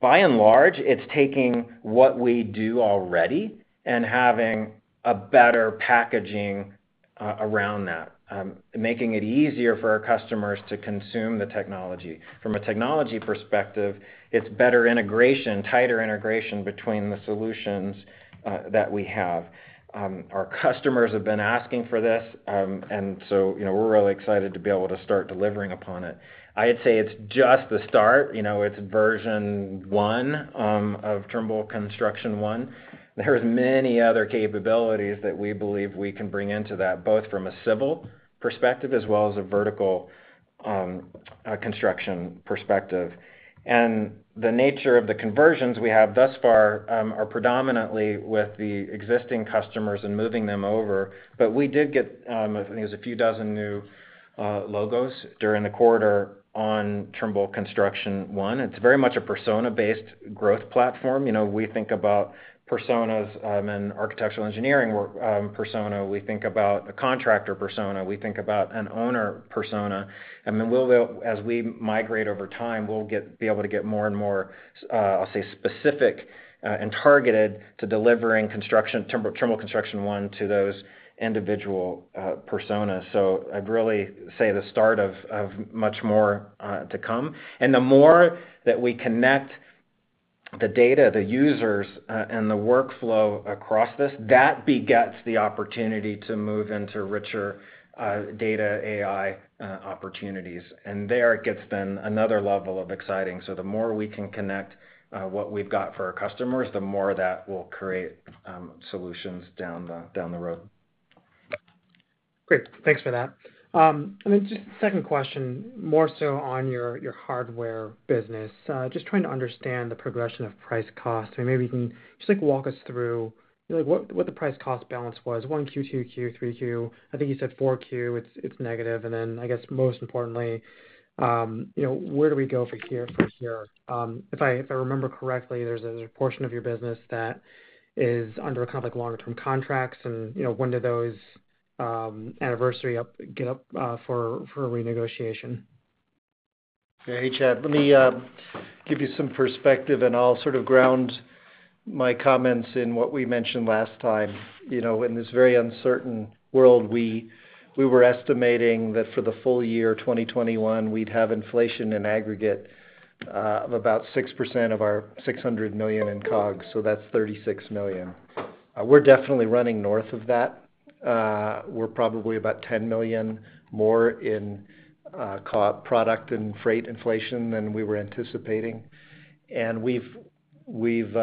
By and large, it's taking what we do already and having a better packaging around that. Making it easier for our customers to consume the technology. From a technology perspective, it's better integration, tighter integration between the solutions that we have. Our customers have been asking for this. You know, we're really excited to be able to start delivering upon it. I'd say it's just the start, you know, it's version one of Trimble Construction One. There are many other capabilities that we believe we can bring into that, both from a civil perspective as well as a vertical construction perspective. The nature of the conversions we have thus far are predominantly with the existing customers and moving them over. We did get, I think it was a few dozen new logos during the quarter on Trimble Construction One. It's very much a persona-based growth platform. You know, we think about personas in architectural engineering work, persona. We think about a contractor persona. We think about an owner persona. Then as we migrate over time, we'll be able to get more and more, I'll say, specific and targeted to delivering Trimble Construction One to those individual personas. I'd really say the start of much more to come. The more that we connect the data, the users, and the workflow across this, that begets the opportunity to move into richer data AI opportunities. There it gets then another level of exciting. The more we can connect what we've got for our customers, the more that will create solutions down the road. Great. Thanks for that. Then just second question, more so on your hardware business. Just trying to understand the progression of price cost. Maybe you can just, like, walk us through, like, what the price cost balance was 1Q, 2Q, 3Q. I think you said 4Q, it's negative. Then, I guess, most importantly, you know, where do we go from here? If I remember correctly, there's a portion of your business that is under kind of like longer-term contracts and, you know, when do those anniversaries come up for a renegotiation? Hey, Chad, let me give you some perspective, and I'll sort of ground my comments in what we mentioned last time. You know, in this very uncertain world, we were estimating that for the full year, 2021, we'd have inflation in aggregate of about 6% of our $600 million in COGS, so that's $36 million. We're definitely running north of that. We're probably about $10 million more in component and freight inflation than we were anticipating. We've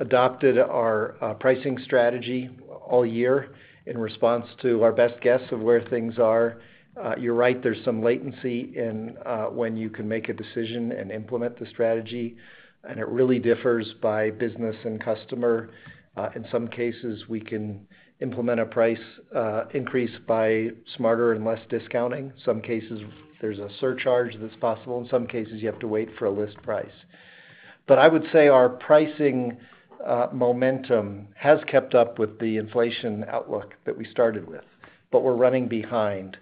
adopted our pricing strategy all year in response to our best guess of where things are. You're right, there's some latency in when you can make a decision and implement the strategy, and it really differs by business and customer. In some cases, we can implement a price increase by smarter and less discounting. Some cases, there's a surcharge that's possible. In some cases, you have to wait for a list price. I would say our pricing momentum has kept up with the inflation outlook that we started with. We're running behind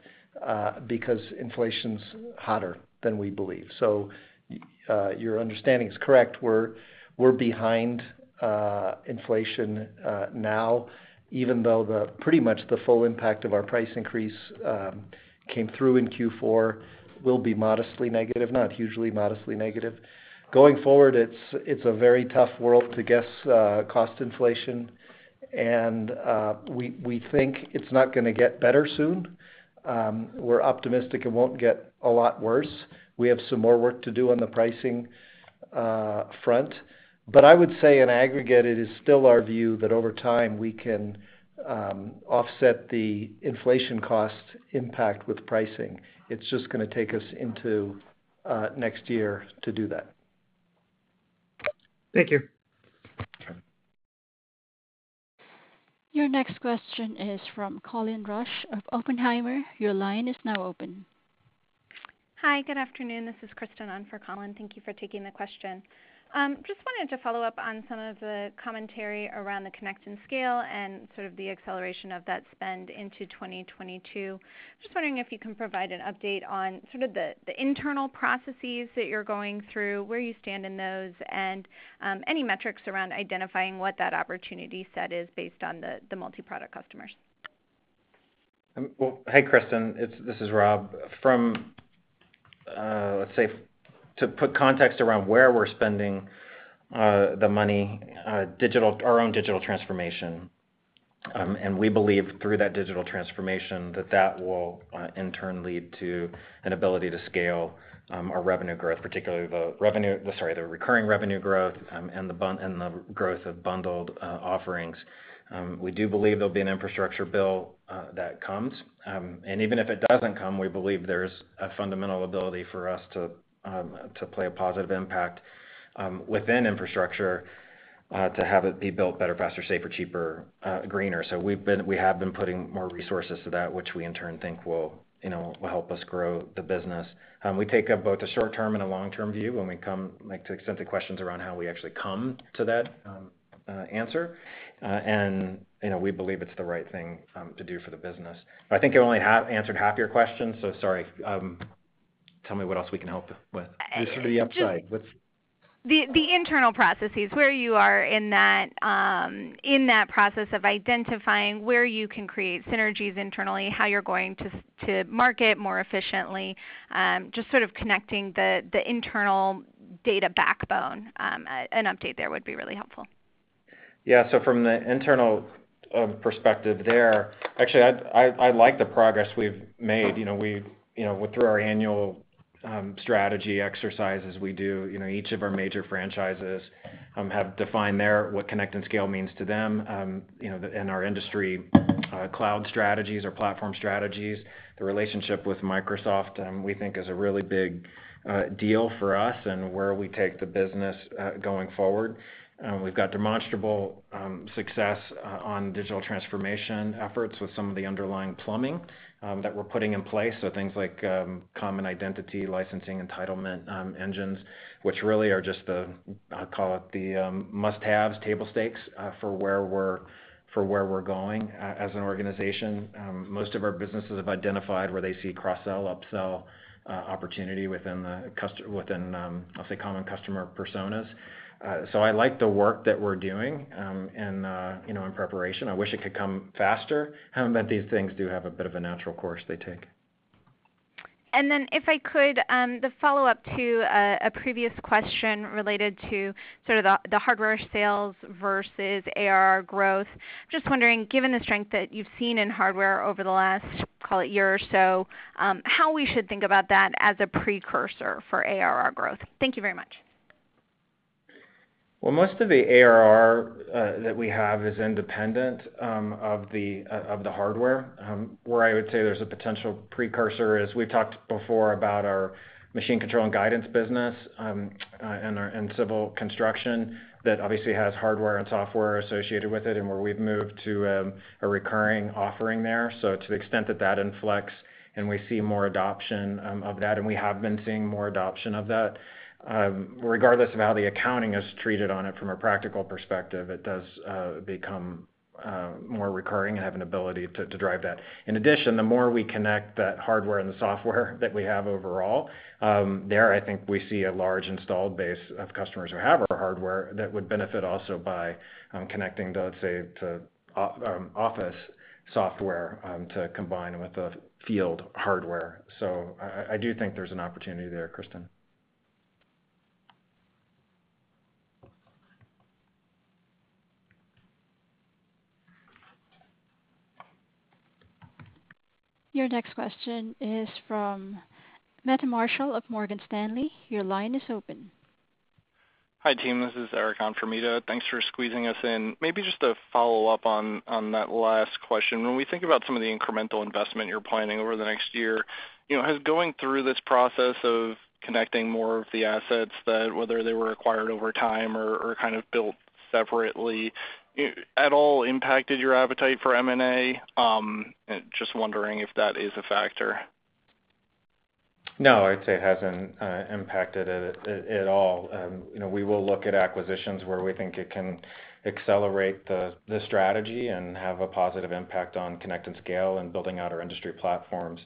because inflation's hotter than we believe. Your understanding is correct. We're behind inflation now, even though pretty much the full impact of our price increase came through in Q4, will be modestly negative, not hugely, modestly negative. Going forward, it's a very tough world to guess cost inflation. We think it's not gonna get better soon. We're optimistic it won't get a lot worse. We have some more work to do on the pricing front. I would say in aggregate, it is still our view that over time, we can offset the inflation cost impact with pricing. It's just gonna take us into next year to do that. Thank you. Okay. Your next question is from Colin Rusch of Oppenheimer. Your line is now open. Hi, good afternoon. This is Kristen on for Colin. Thank you for taking the question. Just wanted to follow up on some of the commentary around the Connect and Scale and sort of the acceleration of that spend into 2022. Just wondering if you can provide an update on sort of the internal processes that you're going through, where you stand in those, and any metrics around identifying what that opportunity set is based on the multiproduct customers. Hey, Kristen. This is Rob. From, let's say, to put context around where we're spending the money, our own digital transformation, and we believe through that digital transformation that will in turn lead to an ability to scale our revenue growth, particularly the recurring revenue growth, and the growth of bundled offerings. We do believe there'll be an infrastructure bill that comes. Even if it doesn't come, we believe there's a fundamental ability for us to play a positive impact within infrastructure to have it be built better, faster, safer, cheaper, greener. We've been putting more resources to that, which we in turn think will, you know, help us grow the business. We take both a short-term and a long-term view when we come, like, to extend the questions around how we actually come to that answer. You know, we believe it's the right thing to do for the business. I think I only answered half your question, so sorry. Tell me what else we can help with. The internal processes, where you are in that process of identifying where you can create synergies internally, how you're going to market more efficiently, just sort of connecting the internal data backbone, an update there would be really helpful. Yeah. From the internal perspective there, actually, I like the progress we've made. You know, through our annual strategy exercises, we do you know, each of our major franchises have defined their what Connect and Scale means to them you know, in our industry cloud strategies, our platform strategies. The relationship with Microsoft we think is a really big deal for us and where we take the business going forward. We've got demonstrable success on digital transformation efforts with some of the underlying plumbing that we're putting in place. Things like common identity, licensing, entitlement engines, which really are just the, I'll call it the must-haves, table stakes for where we're going as an organization. Most of our businesses have identified where they see cross-sell, up-sell, opportunity within, I'll say, common customer personas. I like the work that we're doing, and, you know, in preparation. I wish it could come faster, but these things do have a bit of a natural course they take. If I could, the follow-up to a previous question related to sort of the hardware sales versus ARR growth. Just wondering, given the strength that you've seen in hardware over the last, call it year or so, how we should think about that as a precursor for ARR growth. Thank you very much. Well, most of the ARR that we have is independent of the hardware. Where I would say there's a potential precursor, as we've talked before about our machine control and guidance business, and our civil construction that obviously has hardware and software associated with it and where we've moved to a recurring offering there. To the extent that that inflects and we see more adoption of that, and we have been seeing more adoption of that, regardless of how the accounting is treated on it from a practical perspective, it does become more recurring and have an ability to drive that. In addition, the more we connect that hardware and the software that we have overall, there, I think we see a large installed base of customers who have our hardware that would benefit also by connecting to, let's say, to office software to combine with the field hardware. I do think there's an opportunity there, Kristen. Your next question is from Meta Marshall of Morgan Stanley. Your line is open. Hi, team, this is Erik on for Meta. Thanks for squeezing us in. Maybe just to follow up on that last question. When we think about some of the incremental investment you're planning over the next year, you know, has going through this process of connecting more of the assets that whether they were acquired over time or kind of built separately, at all impacted your appetite for M&A? Just wondering if that is a factor. No, I'd say it hasn't impacted it at all. You know, we will look at acquisitions where we think it can accelerate the strategy and have a positive impact on Connect and Scale and building out our industry platforms.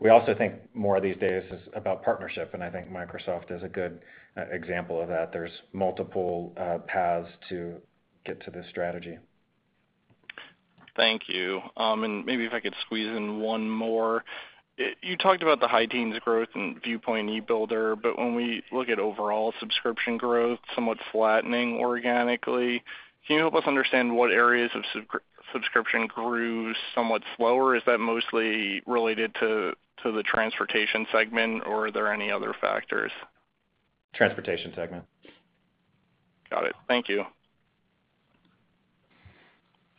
We also think more these days is about partnership, and I think Microsoft is a good example of that. There's multiple paths to get to this strategy. Thank you. Maybe if I could squeeze in one more. You talked about the high-teens growth in Viewpoint e-Builder, but when we look at overall subscription growth somewhat flattening organically, can you help us understand what areas of subscription grew somewhat slower? Is that mostly related to the transportation segment, or are there any other factors? Transportation segment. Got it. Thank you.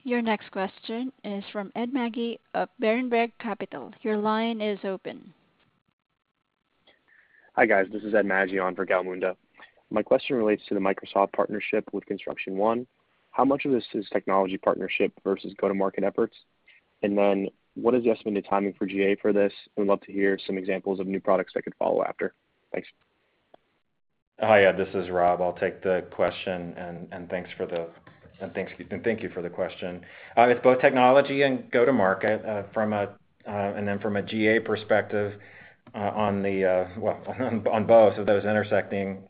Your next question is from Ed Magi of Berenberg Capital. Your line is open. Hi, guys. This is Ed Magi on for Gal Munda. My question relates to the Microsoft partnership with Construction One. How much of this is technology partnership versus go-to-market efforts? What is the estimated timing for GA for this? We'd love to hear some examples of new products that could follow after. Thanks. Hi, Ed. This is Rob. I'll take the question and thank you for the question. It's both technology and go-to-market from a GA perspective on both of those intersecting.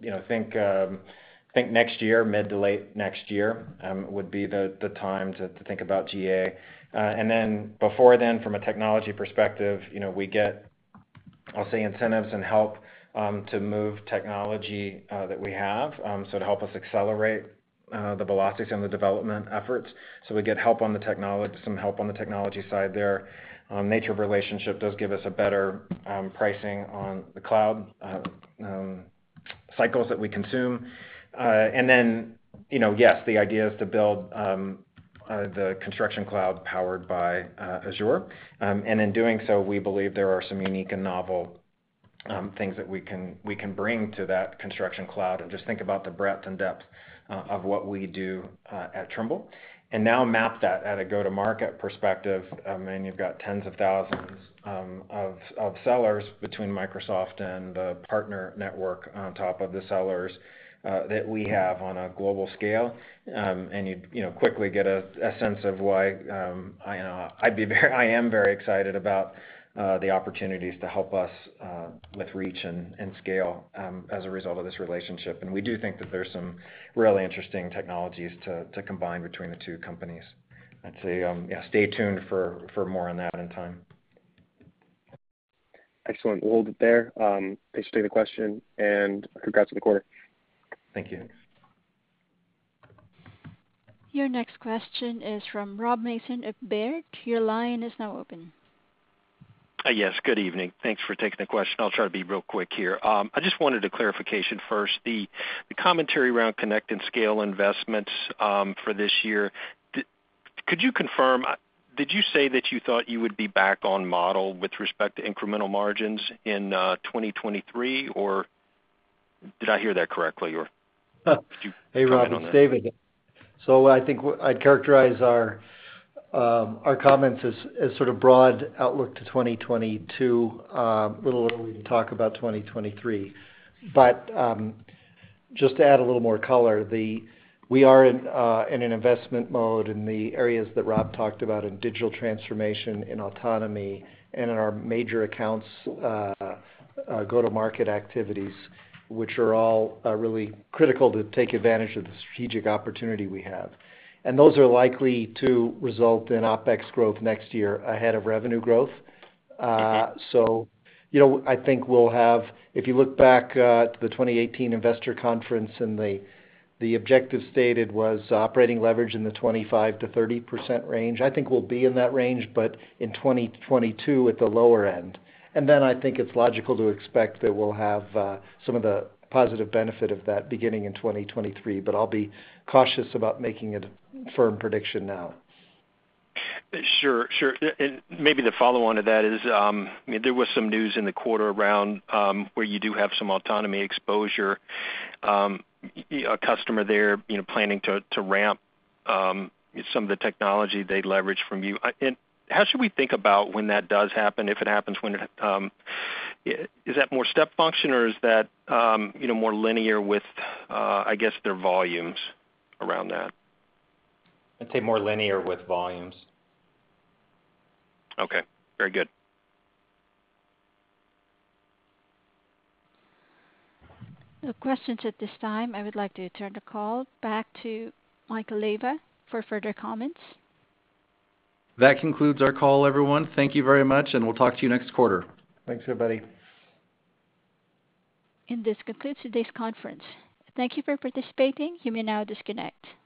You know, think next year, mid to late next year, would be the time to think about GA. Before then, from a technology perspective, you know, we get, I'll say, incentives and help to move technology that we have so to help us accelerate the velocities and the development efforts. We get some help on the technology side there. Nature of relationship does give us better pricing on the cloud cycles that we consume. You know, yes, the idea is to build the construction cloud powered by Azure. In doing so, we believe there are some unique and novel things that we can bring to that construction cloud and just think about the breadth and depth of what we do at Trimble. Now map that at a go-to-market perspective, and you've got tens of thousands of sellers between Microsoft and the partner network on top of the sellers that we have on a global scale. You know, quickly get a sense of why I am very excited about the opportunities to help us with reach and scale as a result of this relationship. We do think that there's some really interesting technologies to combine between the two companies. I'd say, yeah, stay tuned for more on that in time. Excellent. We'll hold it there. Appreciate the question and congrats on the quarter. Thank you. Your next question is from Rob Mason at Baird. Your line is now open. Yes, good evening. Thanks for taking the question. I'll try to be real quick here. I just wanted a clarification first. The commentary around Connect and Scale investments, for this year. Could you confirm, did you say that you thought you would be back on model with respect to incremental margins in 2023, or did I hear that correctly? Could you comment on that? Hey, Rob, it's David. I think what I'd characterize our comments as sort of broad outlook to 2022, a little early to talk about 2023. Just to add a little more color, we are in an investment mode in the areas that Rob talked about in digital transformation, in autonomy and in our major accounts go-to-market activities, which are all really critical to take advantage of the strategic opportunity we have. Those are likely to result in OpEx growth next year ahead of revenue growth. Okay. You know, I think we'll have. If you look back to the 2018 investor conference and the objective stated was operating leverage in the 25%-30% range. I think we'll be in that range, but in 2022 at the lower end. Then I think it's logical to expect that we'll have some of the positive benefit of that beginning in 2023, but I'll be cautious about making a firm prediction now. Sure, sure. Maybe the follow on to that is, there was some news in the quarter around where you do have some autonomy exposure. A customer there, you know, planning to ramp some of the technology they leverage from you. How should we think about when that does happen, if it happens, when it is that more step function or is that, you know, more linear with, I guess, their volumes around that? I'd say more linear with volumes. Okay, very good. No questions at this time. I would like to turn the call back to Michael Leyba for further comments. That concludes our call, everyone. Thank you very much, and we'll talk to you next quarter. Thanks, everybody. This concludes today's conference. Thank you for participating. You may now disconnect.